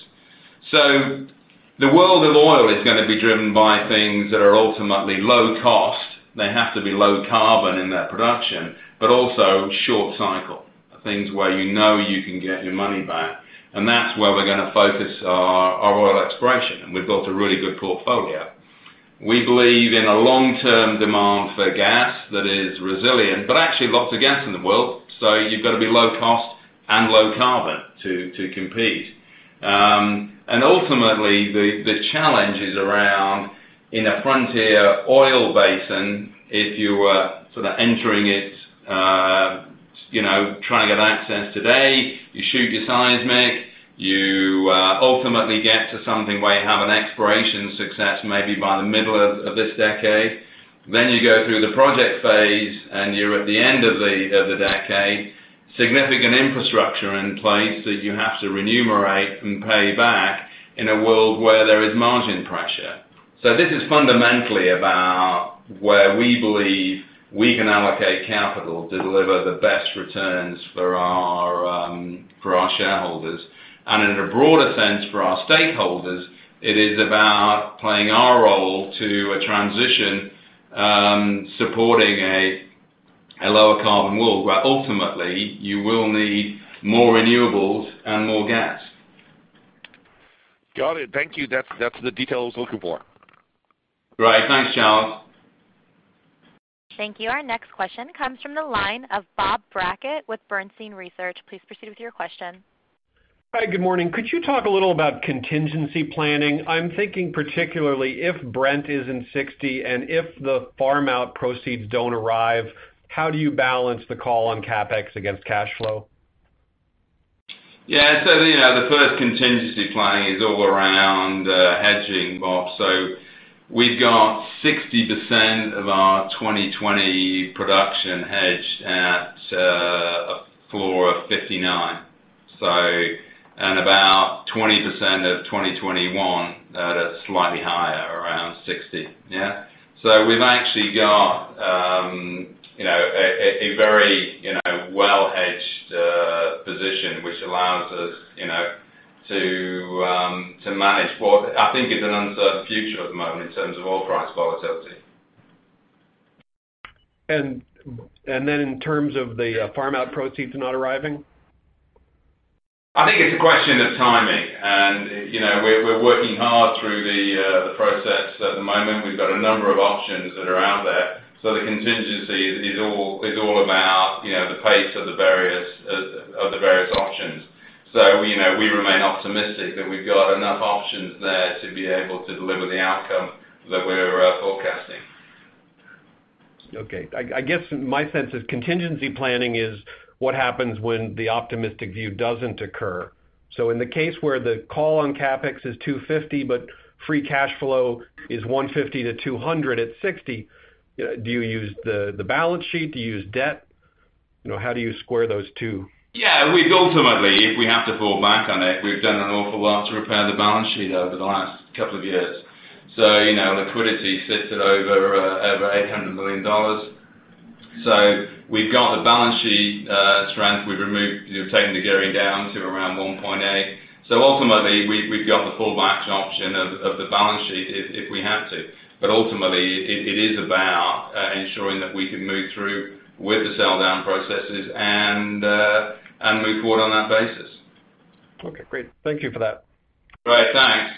Speaker 3: The world of oil is going to be driven by things that are ultimately low cost. They have to be low carbon in their production, but also short cycle are things where you know you can get your money back, and that's where we're going to focus our oil exploration. We've built a really good portfolio. We believe in a long-term demand for gas that is resilient, but actually lots of gas in the world. You've got to be low cost and low carbon to compete. Ultimately, the challenge is around in a frontier oil basin, if you are entering it, trying to get access today, you shoot your seismic, you ultimately get to something where you have an exploration success maybe by the middle of this decade. You go through the project phase and you're at the end of the decade, significant infrastructure in place that you have to remunerate and pay back in a world where there is margin pressure. This is fundamentally about where we believe we can allocate capital to deliver the best returns for our shareholders and in a broader sense for our stakeholders, it is about playing our role to a transition, supporting a lower carbon world, where ultimately you will need more renewables and more gas.
Speaker 4: Got it. Thank you. That's the detail I was looking for.
Speaker 3: Right. Thanks, Charles.
Speaker 1: Thank you. Our next question comes from the line of Bob Brackett with Bernstein Research. Please proceed with your question.
Speaker 5: Hi, good morning. Could you talk a little about contingency planning? I'm thinking particularly if Brent is in $60 and if the farm out proceeds don't arrive, how do you balance the call on CapEx against cash flow?
Speaker 3: The first contingency plan is all around hedging, Bob. We've got 60% of our 2020 production hedged at a floor of $59, and about 20% of 2021 at a slightly higher, around $60. We've actually got a very well-hedged position, which allows us to manage what I think is an uncertain future at the moment in terms of oil price volatility.
Speaker 5: In terms of the farm-out proceeds not arriving?
Speaker 3: I think it's a question of timing. We're working hard through the process at the moment. We've got a number of options that are out there. The contingency is all about the pace of the various options. We remain optimistic that we've got enough options there to be able to deliver the outcome that we're forecasting.
Speaker 5: Okay. I guess my sense is contingency planning is what happens when the optimistic view doesn't occur. In the case where the call on CapEx is $250, but free cash flow is $150-$200 at $60, do you use the balance sheet? Do you use debt? How do you square those two?
Speaker 3: Ultimately, if we have to fall back on it, we've done an awful lot to repair the balance sheet over the last couple of years. Liquidity sits at over $800 million. We've got the balance sheet strength. We've taken the gearing down to around 1.8x. Ultimately, we've got the fallback option of the balance sheet if we have to. Ultimately, it is about ensuring that we can move through with the sell down processes and move forward on that basis.
Speaker 5: Okay, great. Thank you for that.
Speaker 3: All right. Thanks.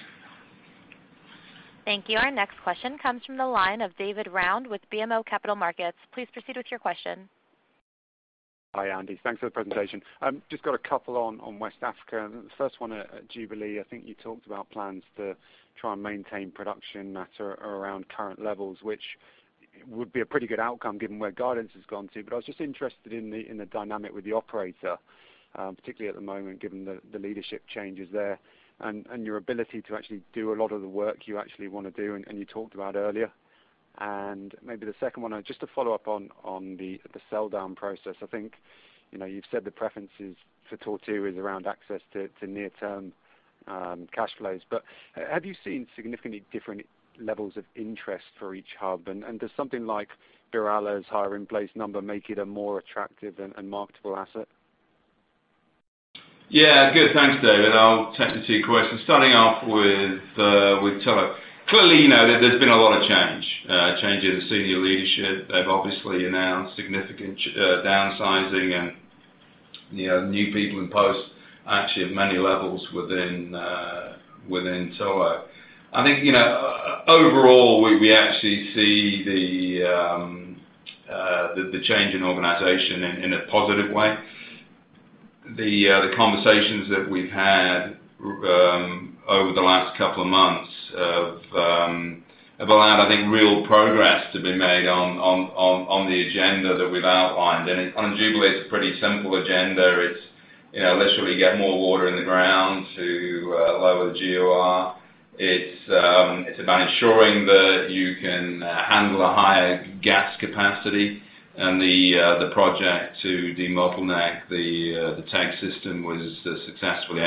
Speaker 1: Thank you. Our next question comes from the line of David Round with BMO Capital Markets. Please proceed with your question.
Speaker 6: Hi, Andy. Thanks for the presentation. Just got a couple on West Africa, and the first one at Jubilee. I think you talked about plans to try and maintain production at or around current levels, which would be a pretty good outcome given where guidance has gone to. I was just interested in the dynamic with the operator, particularly at the moment given the leadership changes there and your ability to actually do a lot of the work you actually want to do and you talked about earlier. Maybe the second one, just to follow up on the sell down process. I think you've said the preference is for Tortue is around access to near-term cash flows. Have you seen significantly different levels of interest for each hub? Does something like BirAllah's higher in place number make it a more attractive and marketable asset?
Speaker 3: Thanks, David. I'll take the two questions starting off with Tullow. There's been a lot of change. Change in senior leadership. They've obviously announced significant downsizing and new people in post actually at many levels within Tullow. I think, overall, we actually see the change in organization in a positive way. The conversations that we've had over the last couple of months have allowed, I think, real progress to be made on the agenda that we've outlined. On Jubilee, it's a pretty simple agenda. It's literally get more water in the ground to lower the GOR. It's about ensuring that you can handle a higher gas capacity. The project to demultiple NAC, the tank system was successfully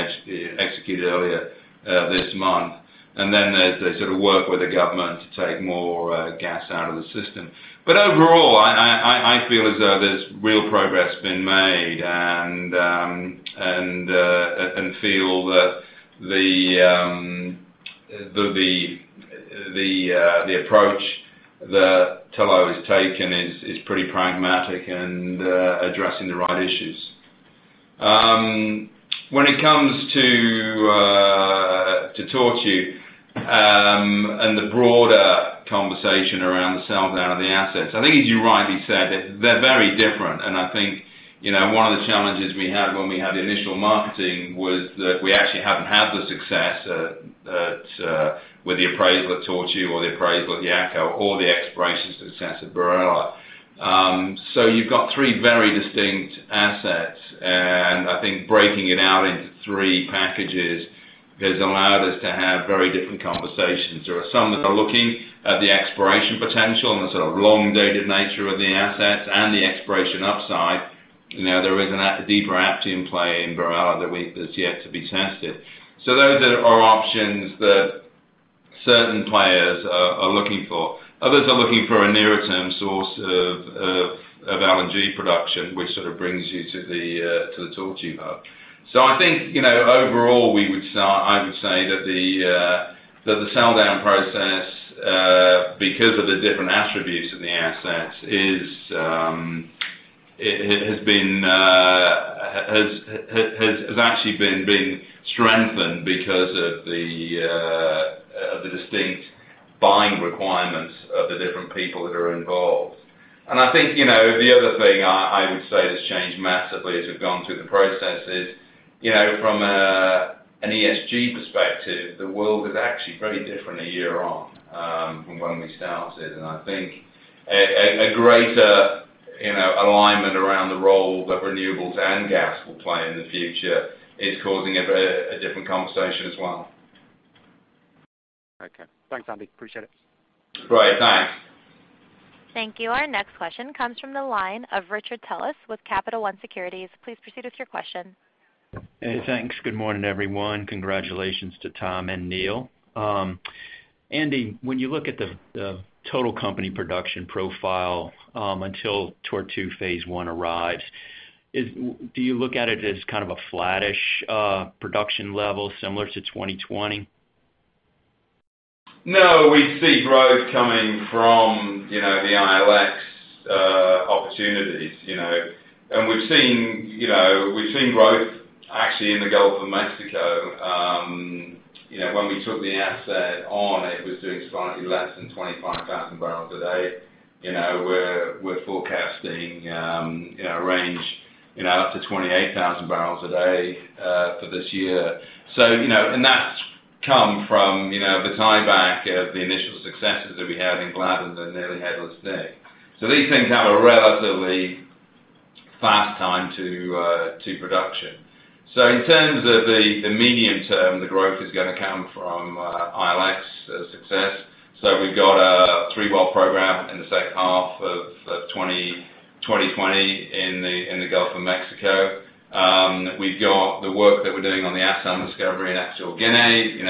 Speaker 3: executed earlier this month. They sort of work with the government to take more gas out of the system. Overall, I feel as though there's real progress been made, and feel that the approach that Tullow has taken is pretty pragmatic and addressing the right issues. When it comes to Tortue and the broader conversation around the sell down of the assets, I think you're right in saying that they're very different. I think one of the challenges we had when we had the initial marketing was that we actually haven't had the success with the appraisal at Tortue or the appraisal at Yakaar or the exploration success at BirAllah. You've got three very distinct assets, and I think breaking it out into three packages has allowed us to have very different conversations. There are some that are looking at the exploration potential and the sort of long-dated nature of the assets and the exploration upside. There is a deeper Aptian play in BirAllah that's yet to be tested. Those are options that certain players are looking for. Others are looking for a nearer term source of LNG production, which sort of brings you to the Tortue hub. I think, overall, I would say that the sell down process, because of the different attributes in the assets has actually been strengthened because of the distinct buying requirements of the different people that are involved. I think, the other thing I would say that's changed massively as we've gone through the process is, from an ESG perspective, the world is actually very different a year on from when we started. I think a greater alignment around the role that renewables and gas will play in the future is causing a different conversation as well.
Speaker 6: Okay. Thanks, Andy. Appreciate it.
Speaker 3: Great. Thanks.
Speaker 1: Thank you. Our next question comes from the line of Richard Tullis with Capital One Securities. Please proceed with your question.
Speaker 7: Hey, thanks. Good morning, everyone. Congratulations to Tom and Neal. Andy, when you look at the total company production profile, until Tortue Phase One arrives, do you look at it as a flattish production level similar to 2020?
Speaker 3: We see growth coming from the ILX opportunities. We've seen growth actually in the Gulf of Mexico. When we took the asset on, it was doing slightly less than 25,000 bbl a day. We're forecasting a range up to 28,000 bbl a day for this year. That's come from the tie back of the initial successes that we had in Gladden and Nearly Headless Nick. These things have a relatively fast time to production. In terms of the medium term, the growth is going to come from ILX success. We've got a three-well program in the second half of 2020 in the Gulf of Mexico. We've got the work that we're doing on the Asam discovery in Equatorial Guinea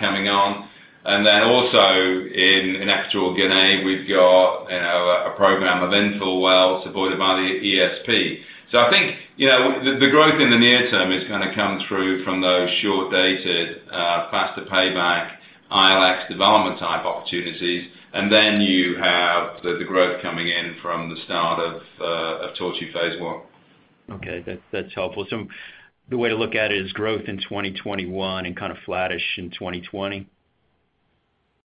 Speaker 3: coming on. Also in Equatorial Guinea, we've got a program of infill wells supported by the ESP. I think, the growth in the near term is going to come through from those short-dated, faster payback ILX development type opportunities. Then you have the growth coming in from the start of Tortue Phase One.
Speaker 7: Okay. That's helpful. The way to look at it is growth in 2021 and kind of flattish in 2020?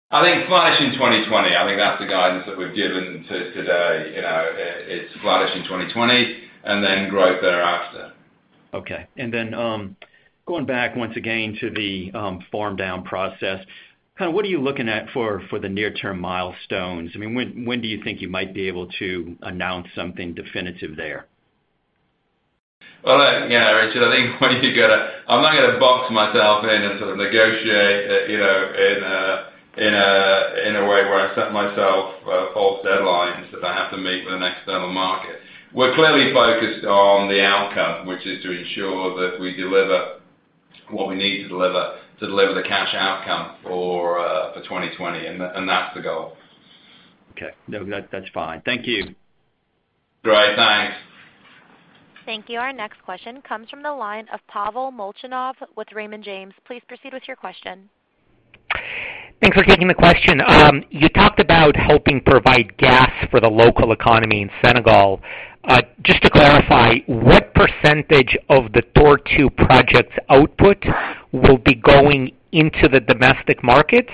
Speaker 3: I think flattish in 2020. I think that's the guidance that we've given to today. It's flattish in 2020 and then growth thereafter.
Speaker 7: Okay. Going back once again to the farm down process, what are you looking at for the near-term milestones? When do you think you might be able to announce something definitive there?
Speaker 3: Well, look, Richard, I think I'm not going to box myself in and sort of negotiate in a way where I set myself false deadlines that I have to meet with an external market. We're clearly focused on the outcome, which is to ensure that we deliver what we need to deliver, to deliver the cash outcome for 2020. That's the goal.
Speaker 7: Okay. No, that's fine. Thank you.
Speaker 3: Great, thanks.
Speaker 1: Thank you. Our next question comes from the line of Pavel Molchanov with Raymond James. Please proceed with your question.
Speaker 8: Thanks for taking the question. You talked about helping provide gas for the local economy in Senegal. Just to clarify, what percentage of the Tortue project's output will be going into the domestic market?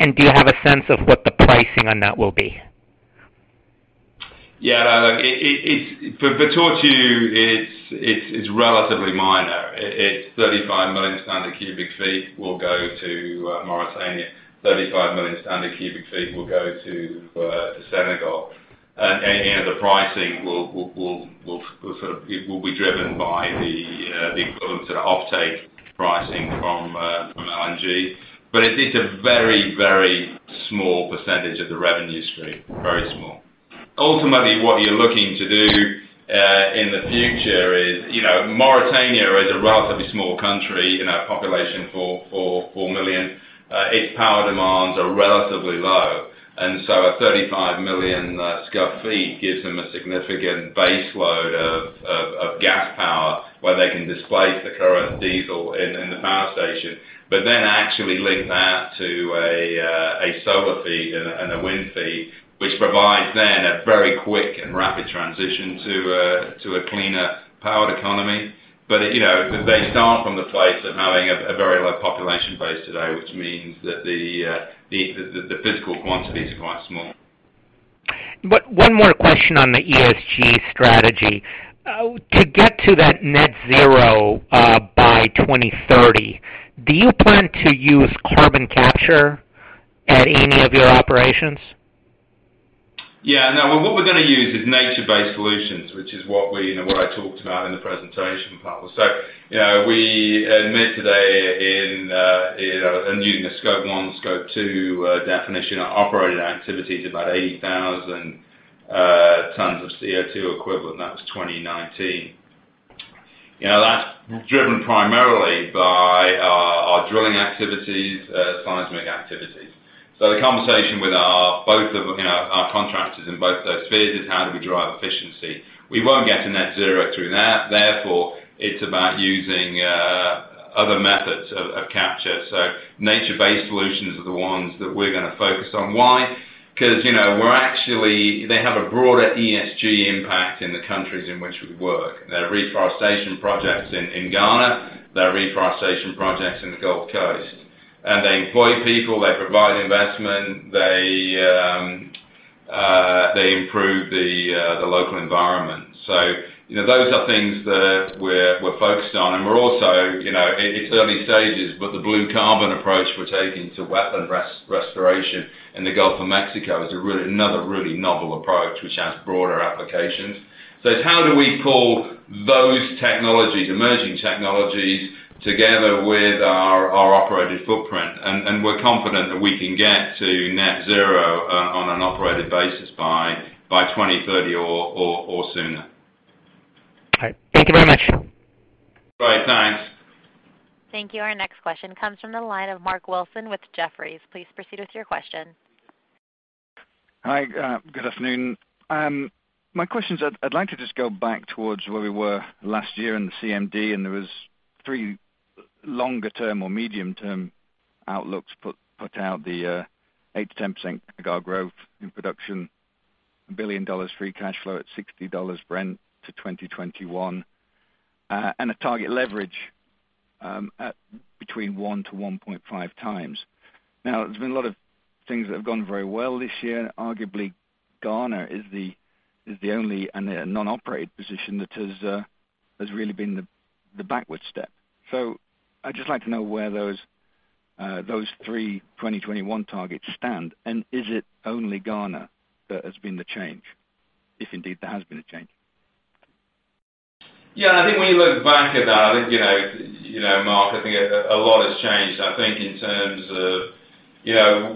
Speaker 8: Do you have a sense of what the pricing on that will be?
Speaker 3: Yeah. For Tortue it's relatively minor. It's 35 million standard cu ft will go to Mauritania, 35 million standard cu ft will go to Senegal. The pricing will be driven by the sort of offtake pricing from LNG. It's a very small percentage of the revenue stream. Very small. Ultimately, what you're looking to do in the future is, Mauritania is a relatively small country in population, 4 million. Its power demands are relatively low, and so a 35 million scf gives them a significant base load of gas power where they can displace the current diesel in the power station, but then actually link that to a solar feed and a wind feed, which provides then a very quick and rapid transition to a cleaner powered economy. They start from the place of having a very low population base today, which means that the physical quantities are quite small.
Speaker 8: One more question on the ESG strategy. To get to that net zero by 2030, do you plan to use carbon capture at any of your operations?
Speaker 3: Yeah. No, what we're going to use is nature-based solutions, which is what I talked about in the presentation part. We admit today and using the Scope 1, Scope 2 definition, our operating activities, about 80,000 tons of CO2 equivalent. That was 2019. That's driven primarily by our drilling activities, seismic activities. The conversation with both of our contractors in both those spheres is, how do we drive efficiency? We won't get to net zero through that, therefore it's about using other methods of capture. Nature-based solutions are the ones that we're going to focus on. Why? Because they have a broader ESG impact in the countries in which we work. There are reforestation projects in Ghana. There are reforestation projects in the Gulf Coast. They employ people, they provide investment, they improve the local environment. Those are things that we're focused on. We're also, it's early stages, but the blue carbon approach we're taking to wetland restoration in the Gulf of Mexico is another really novel approach which has broader applications. It's how do we pull those technologies, emerging technologies, together with our operated footprint. We're confident that we can get to net zero on an operated basis by 2030 or sooner.
Speaker 8: All right. Thank you very much.
Speaker 3: All right. Thanks.
Speaker 1: Thank you. Our next question comes from the line of Mark Wilson with Jefferies. Please proceed with your question.
Speaker 9: Hi. Good afternoon. My question is, I'd like to just go back towards where we were last year in the CMD, and there was three longer term or medium term outlooks put out the 8%-10% CAGR growth in production, $1 billion free cash flow at $60 Brent to 2021, and a target leverage at between 1x-1.5x. Arguably, Ghana is the only non-operated position that has really been the backwards step. I'd just like to know where those three 2021 targets stand, and is it only Ghana that has been the change, if indeed there has been a change?
Speaker 3: Yeah, I think when you look back at that, I think, Mark, I think a lot has changed, I think in terms of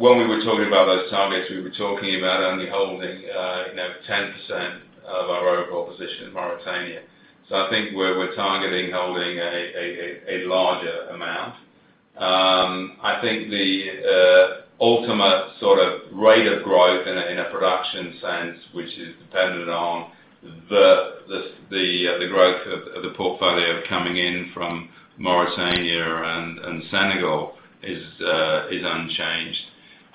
Speaker 3: when we were talking about those targets, we were talking about only holding 10% of our overall position in Mauritania. I think we're targeting holding a larger amount. I think the ultimate sort of rate of growth in a production sense, which is dependent on the growth of the portfolio coming in from Mauritania and Senegal is unchanged.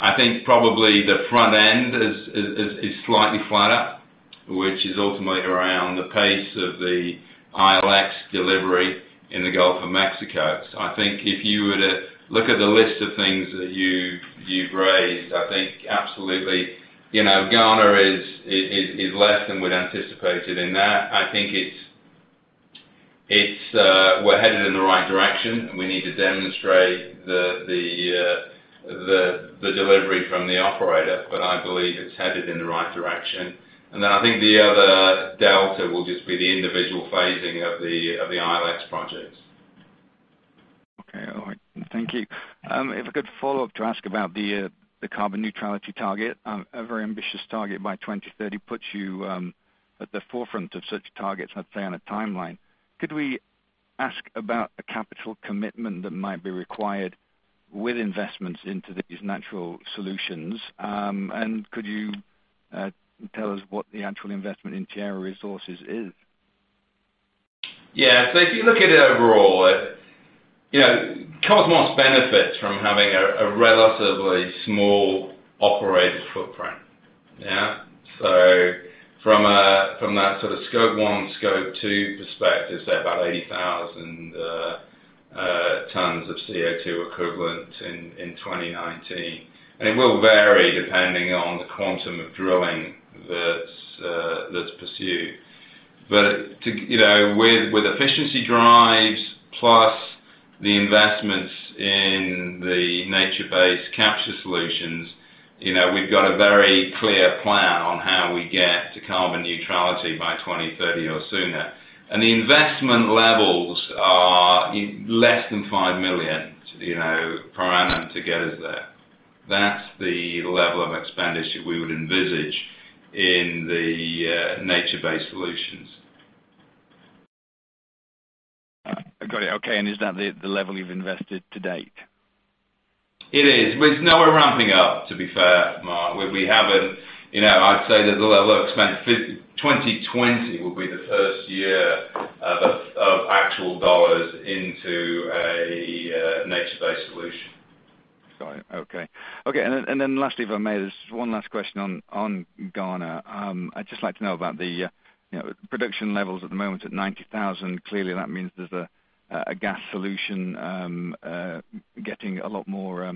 Speaker 3: I think probably the front end is slightly flatter, which is ultimately around the pace of the ILX delivery in the Gulf of Mexico. I think if you were to look at the list of things that you've raised, I think absolutely, Ghana is less than we'd anticipated in that. I think we're headed in the right direction, and we need to demonstrate the delivery from the operator. I believe it's headed in the right direction. I think the other delta will just be the individual phasing of the ILX projects.
Speaker 9: Okay. All right. Thank you. If I could follow up to ask about the carbon neutrality target. A very ambitious target by 2030 puts you at the forefront of such targets, I'd say, on a timeline. Could we ask about a capital commitment that might be required with investments into these natural solutions? Could you tell us what the actual investment in Tierra Resources is?
Speaker 3: Yeah. If you look at it overall, Kosmos benefits from having a relatively small operated footprint. Yeah? From that sort of Scope 1, Scope 2 perspective, say about 80,000 tons of CO2 equivalent in 2019. It will vary depending on the quantum of drilling that's pursued. With efficiency drives plus the investments in the nature-based capture solutions. We've got a very clear plan on how we get to carbon neutrality by 2030 or sooner. The investment levels are less than $5 million per annum to get us there. That's the level of expenditure we would envisage in the nature-based solutions.
Speaker 9: Got it. Okay. Is that the level you've invested to date?
Speaker 3: It is. We're now ramping up, to be fair, Mark. I'd say that the level of expense, 2020 will be the first year of actual dollars into a nature-based solution.
Speaker 9: Got it. Okay. Lastly, if I may, there's one last question on Ghana. I'd just like to know about the production levels at the moment at 90,000 bbl. Clearly, that means there's a gas solution getting a lot more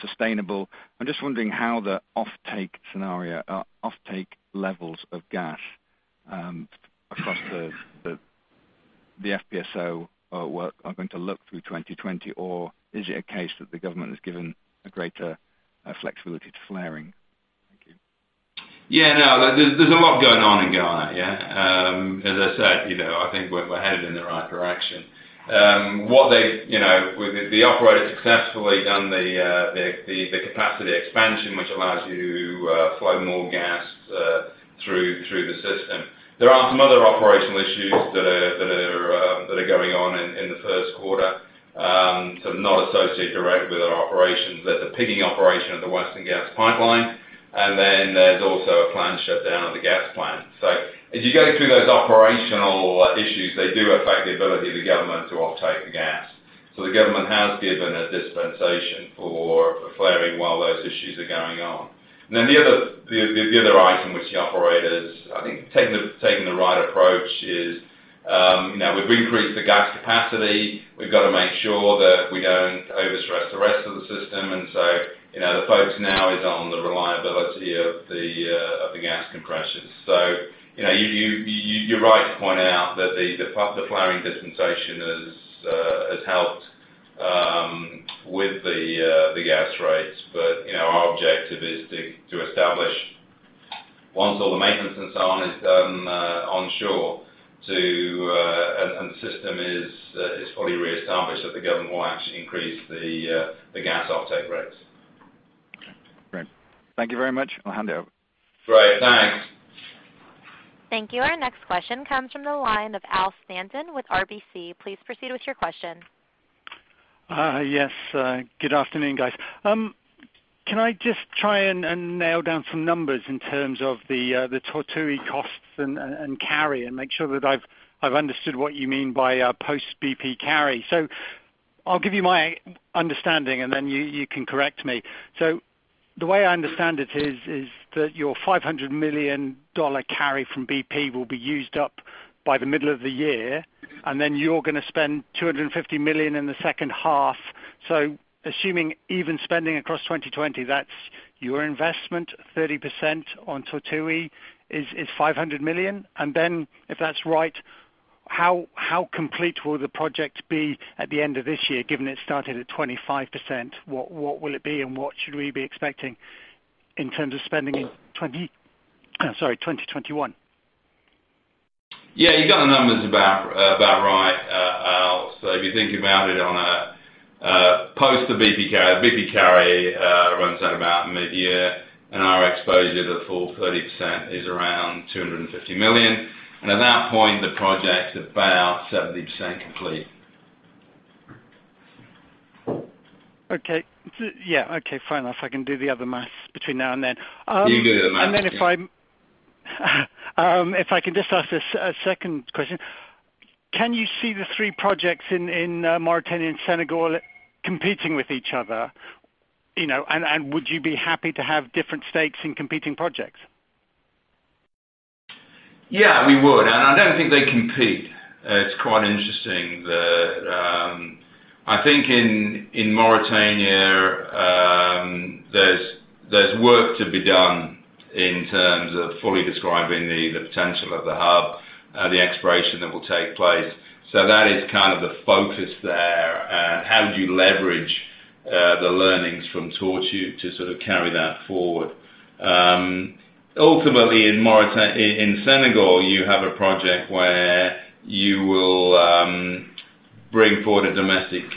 Speaker 9: sustainable. I'm just wondering how the offtake levels of gas across the FPSO are going to look through 2020, or is it a case that the government has given a greater flexibility to flaring? Thank you.
Speaker 3: No, there's a lot going on in Ghana. As I said, I think we're headed in the right direction. The operator successfully done the capacity expansion, which allows you to flow more gas through the system. There are some other operational issues that are going on in the first quarter, sort of not associated directly with our operations. There's a pigging operation of the Western Gas Pipeline, and then there's also a planned shutdown of the gas plant. As you go through those operational issues, they do affect the ability of the government to offtake the gas. The government has given a dispensation for flaring while those issues are going on. The other item, which the operators, I think, taking the right approach is, we've increased the gas capacity. We've got to make sure that we don't overstress the rest of the system. The focus now is on the reliability of the gas compressors. You are right to point out that the flaring dispensation has helped with the gas rates. Our objective is to establish, once all the maintenance and so on is done onshore and the system is fully reestablished, that the government will actually increase the gas offtake rates.
Speaker 9: Okay, great. Thank you very much. I'll hand it over.
Speaker 3: Great. Thanks.
Speaker 1: Thank you. Our next question comes from the line of Al Stanton with RBC. Please proceed with your question.
Speaker 10: Yes. Good afternoon, guys. Can I just try and nail down some numbers in terms of the Tortue costs and carry, and make sure that I've understood what you mean by post BP carry? I'll give you my understanding, and then you can correct me. The way I understand it is that your $500 million carry from BP will be used up by the middle of the year, and then you're going to spend $250 million in the second half. Assuming even spending across 2020, that's your investment, 30% on Tortue is $500 million. If that's right, how complete will the project be at the end of this year, given it started at 25%? What will it be, and what should we be expecting in terms of spending in 2021?
Speaker 3: Yeah, you got the numbers about right, Al. If you think about it on a post to BP carry, runs out about mid-year, and our exposure to the full 30% is around $250 million. At that point, the project is about 70% complete.
Speaker 10: Okay. Yeah. Okay, fine. If I can do the other math between now and then.
Speaker 3: You can do the math, yeah.
Speaker 10: If I can just ask a second question, can you see the three projects in Mauritania and Senegal competing with each other? Would you be happy to have different stakes in competing projects?
Speaker 3: Yeah, we would. I don't think they compete. It's quite interesting. I think in Mauritania, there's work to be done in terms of fully describing the potential of the hub, the exploration that will take place. That is the focus there. How do you leverage the learnings from Tortue to sort of carry that forward? Ultimately, in Senegal, you have a project where you will bring forward a domestic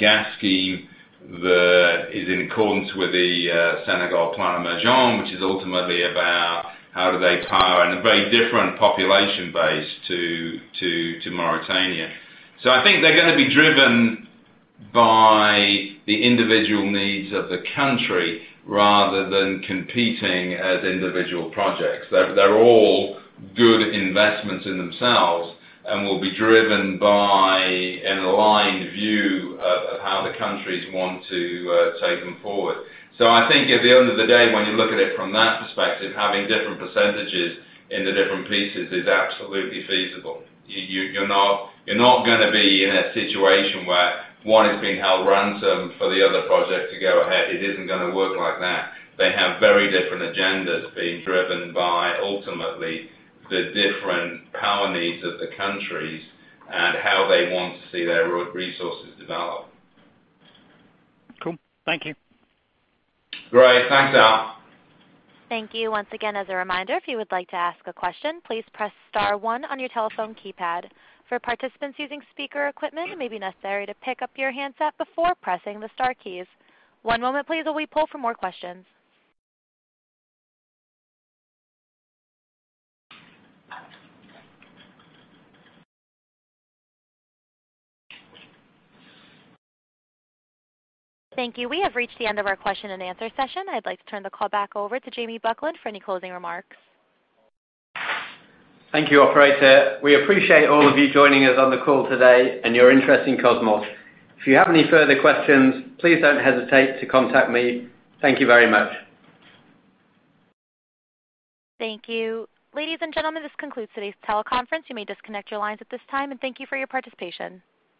Speaker 3: gas scheme that is in accordance with the Plan Sénégal Émergent, which is ultimately about how do they power in a very different population base to Mauritania. I think they're going to be driven by the individual needs of the country rather than competing as individual projects. They're all good investments in themselves and will be driven by an aligned view of how the countries want to take them forward. I think at the end of the day, when you look at it from that perspective, having different percentages in the different pieces is absolutely feasible. You're not going to be in a situation where one is being held ransom for the other project to go ahead. It isn't going to work like that. They have very different agendas being driven by ultimately the different power needs of the countries and how they want to see their resources develop.
Speaker 10: Cool. Thank you.
Speaker 3: Great. Thanks, Al.
Speaker 1: Thank you. Once again, as a reminder, if you would like to ask a question, please press star one on your telephone keypad. For participants using speaker equipment, it may be necessary to pick up your handset before pressing the star keys. One moment please, while we pull for more questions. Thank you. We have reached the end of our question and answer session. I'd like to turn the call back over to Jamie Buckland for any closing remarks.
Speaker 2: Thank you, operator. We appreciate all of you joining us on the call today and your interest in Kosmos. If you have any further questions, please don't hesitate to contact me. Thank you very much.
Speaker 1: Thank you. Ladies and gentlemen, this concludes today's teleconference. You may disconnect your lines at this time, and thank you for your participation.